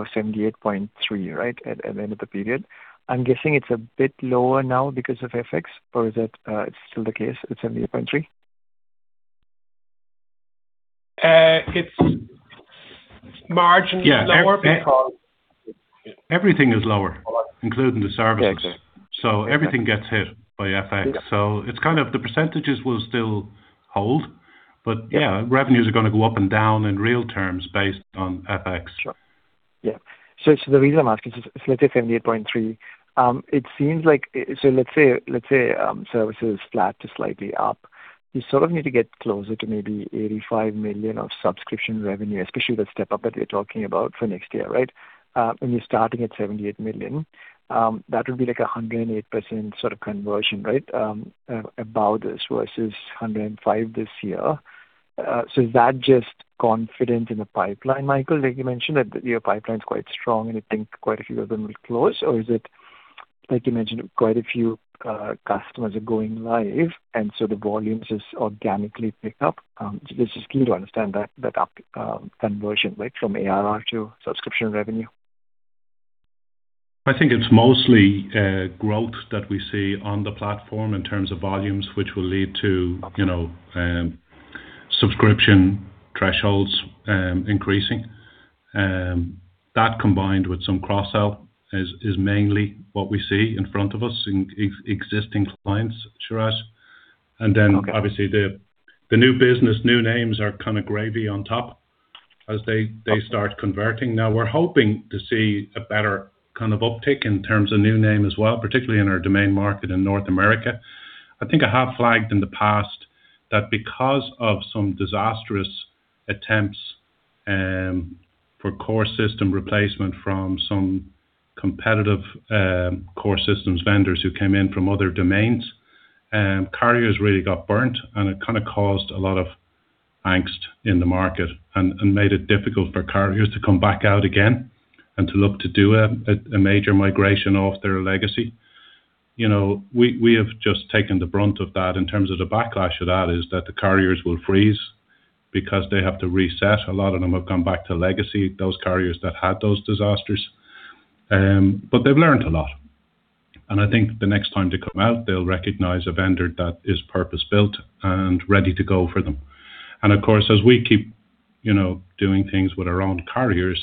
was $78.3, right? At the end of the period. I'm guessing it's a bit lower now because of FX, or is it, still the case, it's $78.3? It's margin- Yeah. Lower. Everything is lower, including the services. Yeah, okay. Everything gets hit by FX. Okay. It's kind of the percentage was still hold, but yeah revenues are gonna go up and down in real terms based on FX. Sure. Yeah. The reason I'm asking is, let's say $78.3, it seems like, service is flat to slightly up. You sort of need to get closer to maybe $85 million of subscription revenue, especially the step up that we're talking about for next year, right? You're starting at $78 million, that would be like a 108% sort of conversion, right? About this versus 105% this year. Is that just confidence in the pipeline, Michael? Like you mentioned, that your pipeline is quite strong, and I think quite a few of them will close. Or is it, like you mentioned, quite a few customers are going live, and so the volumes just organically pick up? It's just key to understand that up conversion, like from ARR to subscription revenue. I think it's mostly growth that we see on the platform in terms of volumes, which will lead to, you know, subscription thresholds increasing. That combined with some cross-sell is mainly what we see in front of us in existing clients, Sharad. Obviously, the new business, new names are kind of gravy on top as they start converting. We're hoping to see a better kind of uptick in terms of new name as well, particularly in our domain market in North America. I think I have flagged in the past that because of some disastrous attempts for core system replacement from some competitive core systems vendors who came in from other domains, carriers really got burnt. It kind of caused a lot of angst in the market and made it difficult for carriers to come back out again and to look to do a major migration off their legacy. You know, we have just taken the brunt of that. In terms of the backlash of that is that the carriers will freeze because they have to reset. A lot of them have come back to legacy, those carriers that had those disasters. They've learned a lot, and I think the next time they come out, they'll recognize a vendor that is purpose-built and ready to go for them. Of course, as we keep, you know, doing things with our own carriers,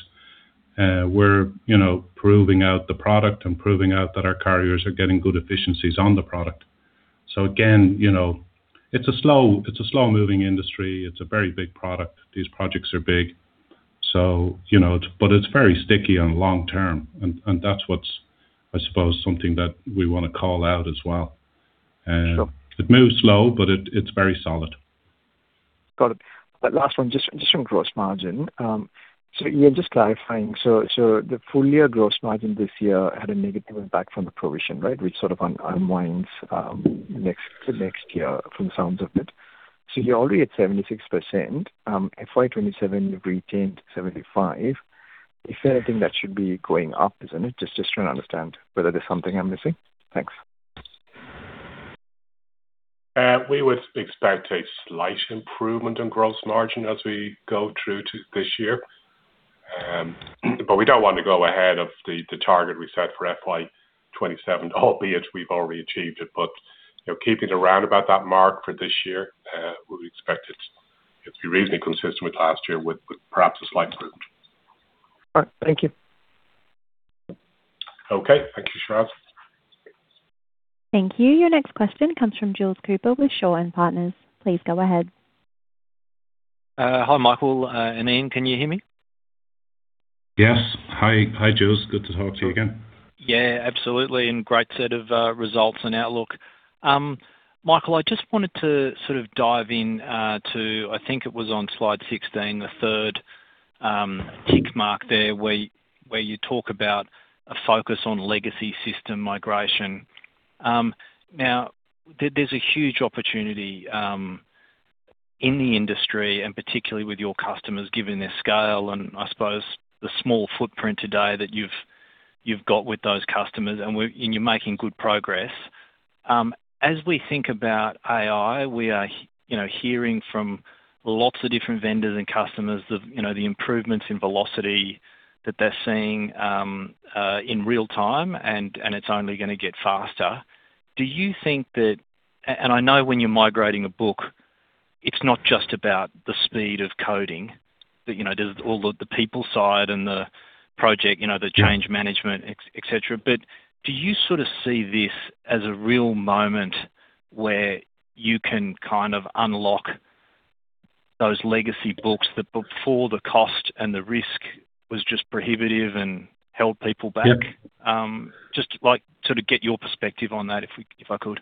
we're, you know, proving out the product and proving out that our carriers are getting good efficiencies on the product. Again, you know, it's a slow-moving industry. It's a very big product. These projects are big, so you know. It's very sticky and long-term, and that's what's, I suppose, something that we want to call out as well. Sure. It moves slow, but it's very solid. Got it. Last one, just on gross margin. You're just clarifying. The full year gross margin this year had a negative impact from the provision, right? Which sort of unwinds next to next year from the sounds of it. You're already at 76%. FY 2027, you've retained 75%. Is there anything that should be going up, isn't it? Just trying to understand whether there's something I'm missing. Thanks. We would expect a slight improvement in gross margin as we go through to this year. We don't want to go ahead of the target we set for FY 2027, albeit we've already achieved it. You know, keeping it around about that mark for this year, we expect it to be reasonably consistent with last year, with perhaps a slight improvement. All right. Thank you. Okay. Thank you, Sharad. Thank you. Your next question comes from Jules Cooper with Shaw and Partners. Please go ahead. Hi, Michael, and Ian. Can you hear me? Yes. Hi. Hi, Jules. Good to talk to you again. Absolutely, and great set of results and outlook. Michael, I just wanted to sort of dive in to I think it was on slide 16, the third tick mark there, where you talk about a focus on legacy system migration. Now, there's a huge opportunity in the industry, and particularly with your customers, given their scale and I suppose the small footprint today that you've got with those customers, and you're making good progress. As we think about AI, we are you know, hearing from lots of different vendors and customers of, you know, the improvements in velocity that they're seeing in real time, and it's only gonna get faster. Do you think that? And I know when you're migrating a book, it's not just about the speed of coding. That, you know, there's all the people side and the project, you know the change management, et cetera. Do you sort of see this as a real moment where you can kind of unlock those legacy books that before the cost and the risk was just prohibitive and held people back? Yeah. Just, like, sort of get your perspective on that, if I could.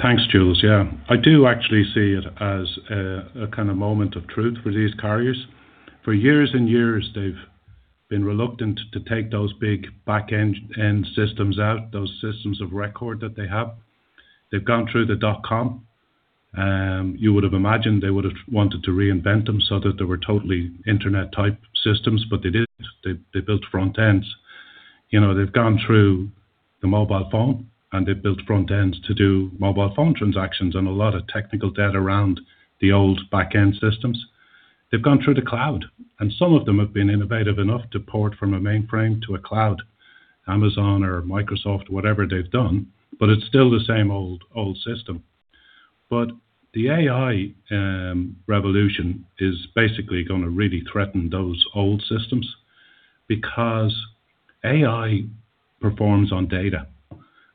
Thanks, Jules. Yeah. I do actually see it as a kind of moment of truth for these carriers. For years and years, they've been reluctant to take those big back-end systems out, those systems of record that they have. They've gone through the dot-com. You would have imagined they would have wanted to reinvent them so that they were totally internet-type systems, but they didn't. They built front ends. You know, they've gone through the mobile phone, and they've built front ends to do mobile phone transactions and a lot of technical debt around the old back-end systems. They've gone through the cloud, and some of them have been innovative enough to port from a mainframe to a cloud, Amazon or Microsoft, whatever they've done, but it's still the same old system. The AI revolution is basically gonna really threaten those old systems because AI performs on data,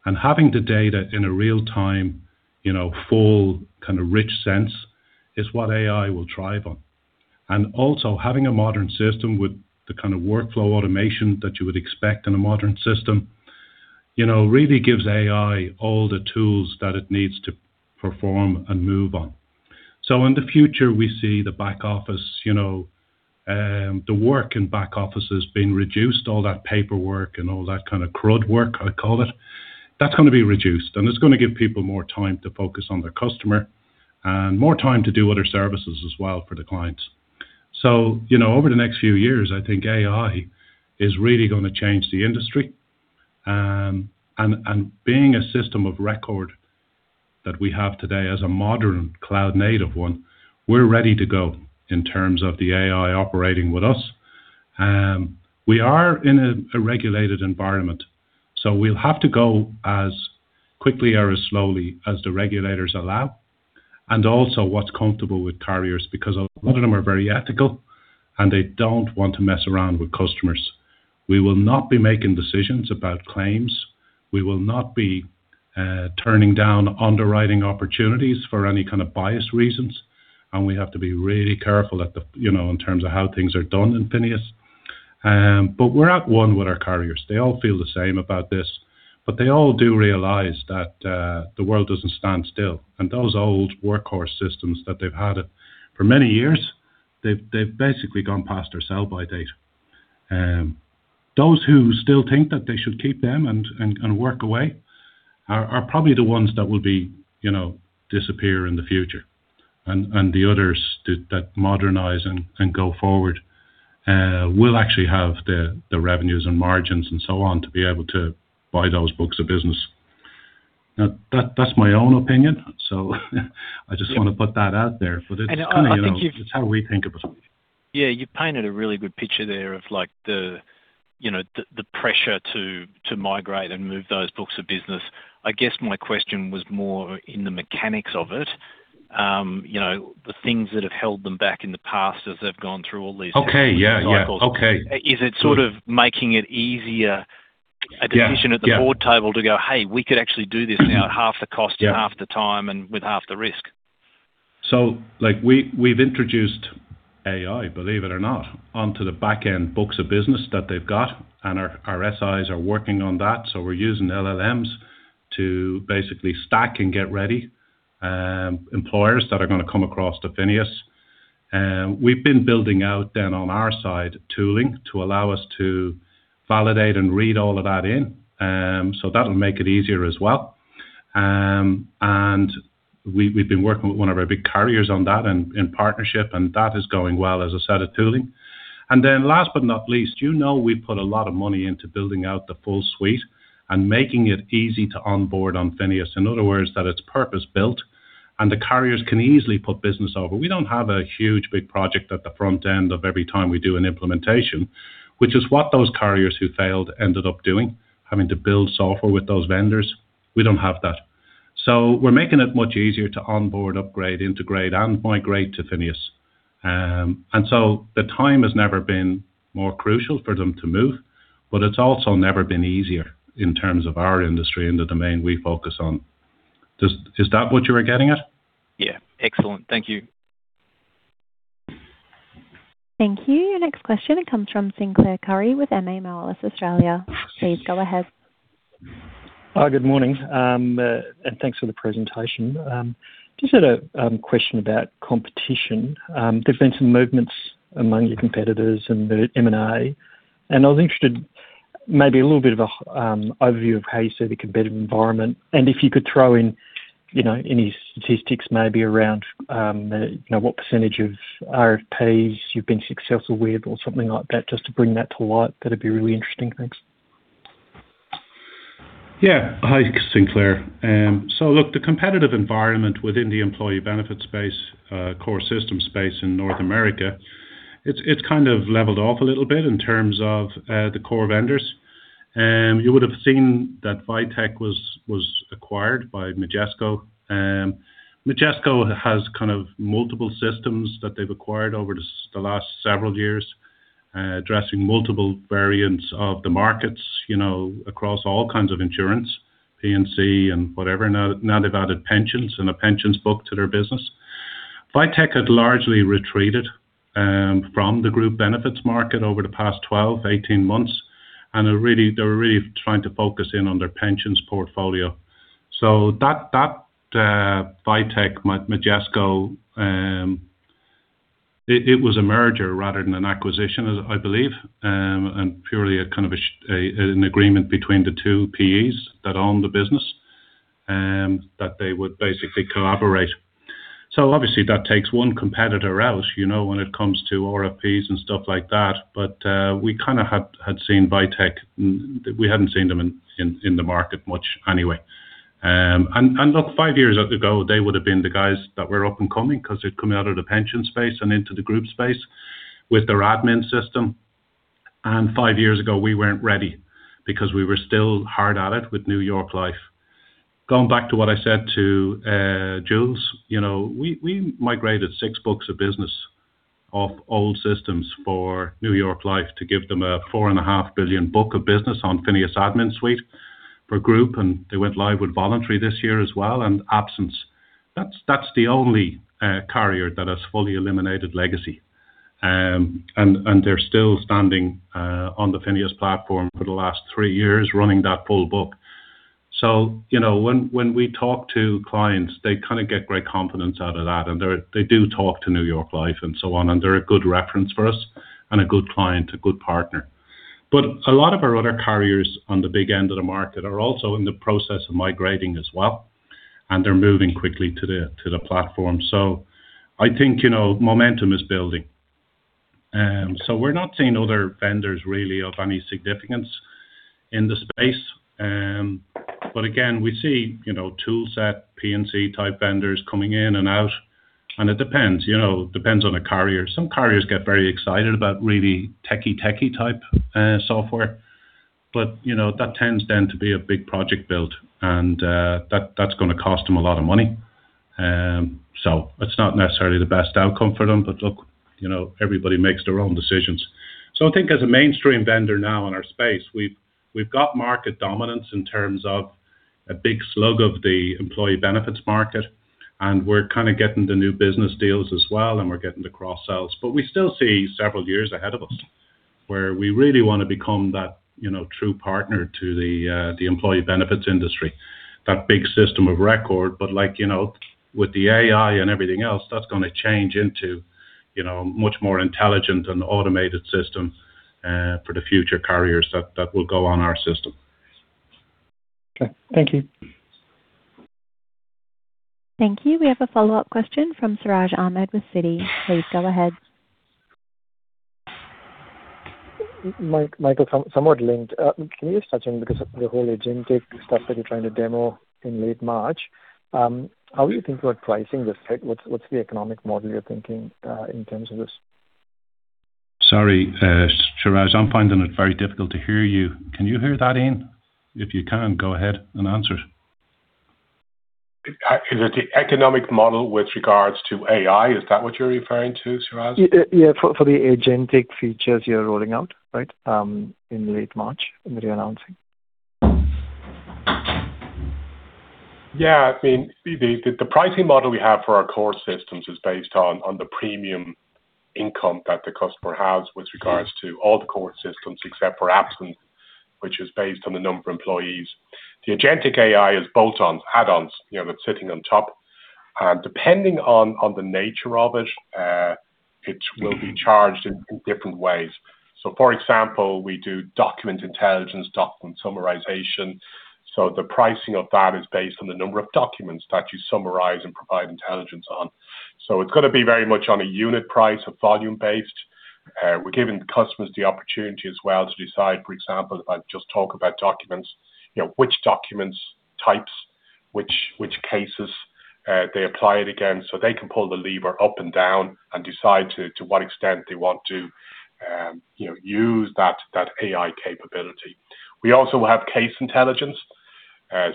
and having the data in a real-time, you know, full kind of rich sense is what AI will thrive on. Also, having a modern system with the kind of workflow automation that you would expect in a modern system, you know, really gives AI all the tools that it needs to perform and move on. In the future, we see the back office, you know, the work in back offices being reduced, all that paperwork and all that kind of crud work, I call it. That's gonna be reduced, and it's gonna give people more time to focus on their customer and more time to do other services as well for the clients. You know, over the next few years, I think AI is really gonna change the industry. And being a system of record that we have today as a modern cloud-native one, we're ready to go in terms of the AI operating with us. We are in a regulated environment, so we'll have to go as quickly or as slowly as the regulators allow, and also what's comfortable with carriers, because a lot of them are very ethical, and they don't want to mess around with customers. We will not be making decisions about claims. We will not be turning down underwriting opportunities for any kind of bias reasons, and we have to be really careful at the, you know, in terms of how things are done in FINEOS. We're at one with our carriers. They all feel the same about this, they all do realize that the world doesn't stand still, and those old workhorse systems that they've had it for many years, they've basically gone past their sell-by date. Those who still think that they should keep them and work away are probably the ones that will be, you know, disappear in the future, and the others that modernize and go forward will actually have the revenues and margins and so on to be able to buy those books of business. Now, that's my own opinion, so I just wanna put that out there. It's, you know. I think you've. it's how we think about it. You painted a really good picture there of like the, you know, the pressure to migrate and move those books of business. I guess my question was more in the mechanics of it. You know, the things that have held them back in the past as they've gone through. Okay. Yeah, yeah. Cycles. Okay. Is it sort of making it easier- Yeah, yeah. A decision at the board table to go, "Hey, we could actually do this now at half the cost. Yeah. half the time and with half the risk? We've introduced AI, believe it or not, onto the back-end books of business that they've got, and our SIs are working on that, we're using LLMs to basically stack and get ready, employers that are gonna come across to FINEOS. We've been building out then on our side, tooling, to allow us to validate and read all of that in, so that'll make it easier as well. We've been working with one of our big carriers on that and in partnership, and that is going well as a set of tooling. Last but not least, you know, we've put a lot of money into building out the full suite and making it easy to onboard on FINEOS. In other words, that it's purpose-built and the carriers can easily put business over. We don't have a huge big project at the front end of every time we do an implementation, which is what those carriers who failed ended up doing, having to build software with those vendors. We don't have that. We're making it much easier to onboard, upgrade, integrate, and migrate to FINEOS. The time has never been more crucial for them to move, but it's also never been easier in terms of our industry and the domain we focus on. Is that what you were getting at? Yeah. Excellent. Thank you. Thank you. Your next question comes from Sinclair Currie with MA Moelis Australia. Please go ahead. Hi, good morning. Thanks for the presentation. Just had a question about competition. There's been some movements among your competitors in the M&A. I was interested, maybe a little bit of an overview of how you see the competitive environment. If you could throw in, you know, any statistics maybe around, you know, what percentage of RFPs you've been successful with or something like that, just to bring that to light, that'd be really interesting. Thanks. Yeah. Hi, Sinclair. Look, the competitive environment within the employee benefit space, core system space in North America, it's kind of leveled off a little bit in terms of the core vendors. You would have seen that Vitech was acquired by Majesco. Majesco has kind of multiple systems that they've acquired over the last several years, addressing multiple variants of the markets, you know, across all kinds of insurance, P&C and whatever. Now they've added pensions and a pensions book to their business. Vitech had largely retreated from the group benefits market over the past 12, 18 months, and they're really trying to focus in on their pensions portfolio. That Vitech, Majesco, it was a merger rather than an acquisition, I believe, and purely a kind of an agreement between the two PEs that own the business, that they would basically collaborate. Obviously, that takes one competitor out, you know, when it comes to RFPs and stuff like that. We kind of had seen Vitech, we hadn't seen them in the market much anyway. And look, five years ago, they would have been the guys that were up and coming because they'd come out of the pension space and into the group space with their admin system. Five years ago, we weren't ready because we were still hard at it with New York Life. Going back to what I said to Jules, you know, we migrated six books of business off old systems for New York Life to give them a $4.5 billion book of business on FINEOS AdminSuite for group, and they went live with voluntary this year as well, and FINEOS Absence. That's the only carrier that has fully eliminated legacy. And they're still standing on the FINEOS platform for the last three years, running that full book. You know, when we talk to clients, they kinda get great confidence out of that, and they do talk to New York Life and so on, and they're a good reference for us and a good client, a good partner. A lot of our other carriers on the big end of the market are also in the process of migrating as well, and they're moving quickly to the platform. I think, you know, momentum is building. We're not seeing other vendors really of any significance in the space. Again, we see, you know, tool set, P&C type vendors coming in and out, and it depends, you know, depends on the carrier. Some carriers get very excited about really techie type software, but, you know, that tends then to be a big project build, and that's gonna cost them a lot of money. It's not necessarily the best outcome for them, but look, you know, everybody makes their own decisions. I think as a mainstream vendor now in our space, we've got market dominance in terms of a big slug of the employee benefits market, and we're kind of getting the new business deals as well, and we're getting the cross-sells. We still see several years ahead of us, where we really want to become that, you know, true partner to the employee benefits industry, that big system of record. Like, you know, with the AI and everything else, that's gonna change into, you know, much more intelligent and automated system for the future carriers that will go on our system. Okay. Thank you. Thank you. We have a follow-up question from Siraj Ahmed with Citi. Please, go ahead. Michael, somewhat linked. Can you just touch on, because of the whole agentic stuff that you're trying to demo in late March, how are you thinking about pricing this, right? What's the economic model you're thinking in terms of this? Sorry, Siraj, I'm finding it very difficult to hear you. Can you hear that, Ian? If you can, go ahead and answer it. Is it the economic model with regards to AI? Is that what you're referring to, Siraj? Yeah, for the agentic features you're rolling out, right? In late March, in the re-announcing. I mean, the pricing model we have for our core systems is based on the premium income that the customer has with regards to all the core systems, except for Absence, which is based on the number of employees. The agentic AI is built on add-ons, you know, that's sitting on top. Depending on the nature of it will be charged in different ways. For example, we do document intelligence, document summarization, the pricing of that is based on the number of documents that you summarize and provide intelligence on. It's gonna be very much on a unit price or volume-based. We're giving customers the opportunity as well to decide, for example, if I just talk about documents, you know, which documents types, which cases, they apply it against. They can pull the lever up and down and decide to what extent they want to, you know, use that AI capability. We also have case intelligence,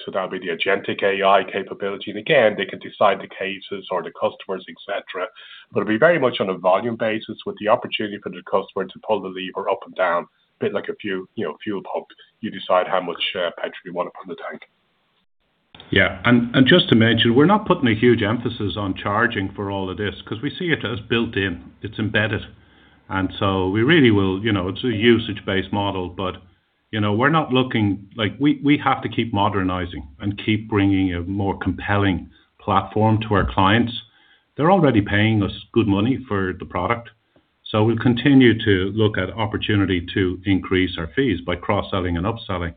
so that would be the agentic AI capability. Again, they can decide the cases or the customers, et cetera. It'll be very much on a volume basis with the opportunity for the customer to pull the lever up and down, bit like a, you know, fuel pump. You decide how much petrol you want to put in the tank. Yeah, just to mention, we're not putting a huge emphasis on charging for all of this, 'cause we see it as built in, it's embedded, we really will. You know, it's a usage-based model, you know, we're not looking. We have to keep modernizing and keep bringing a more compelling platform to our clients. They're already paying us good money for the product, we'll continue to look at opportunity to increase our fees by cross-selling and upselling.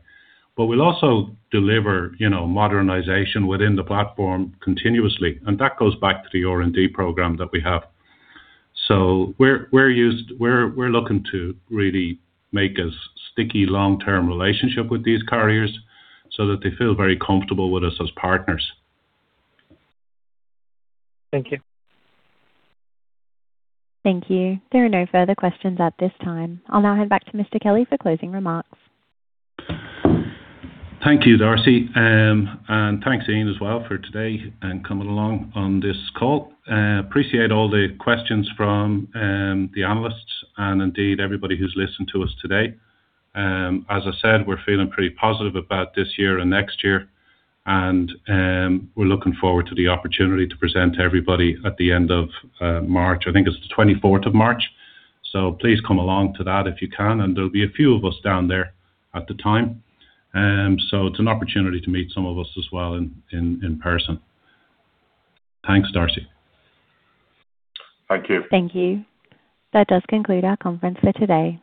We'll also deliver, you know, modernization within the platform continuously, that goes back to the R&D program that we have. We're looking to really make a sticky, long-term relationship with these carriers so that they feel very comfortable with us as partners. Thank you. Thank you. There are no further questions at this time. I'll now hand back to Mr. Kelly for closing remarks. Thank you, Darcy, and thanks, Ian, as well, for today and coming along on this call. Appreciate all the questions from the analysts and indeed everybody who's listened to us today. As I said, we're feeling pretty positive about this year and next year, and we're looking forward to the opportunity to present to everybody at the end of March. I think it's the March 24th. Please come along to that if you can. There'll be a few of us down there at the time. It's an opportunity to meet some of us as well in person. Thanks, Darcy. Thank you. Thank you. That does conclude our conference for today.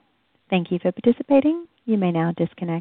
Thank you for participating. You may now disconnect.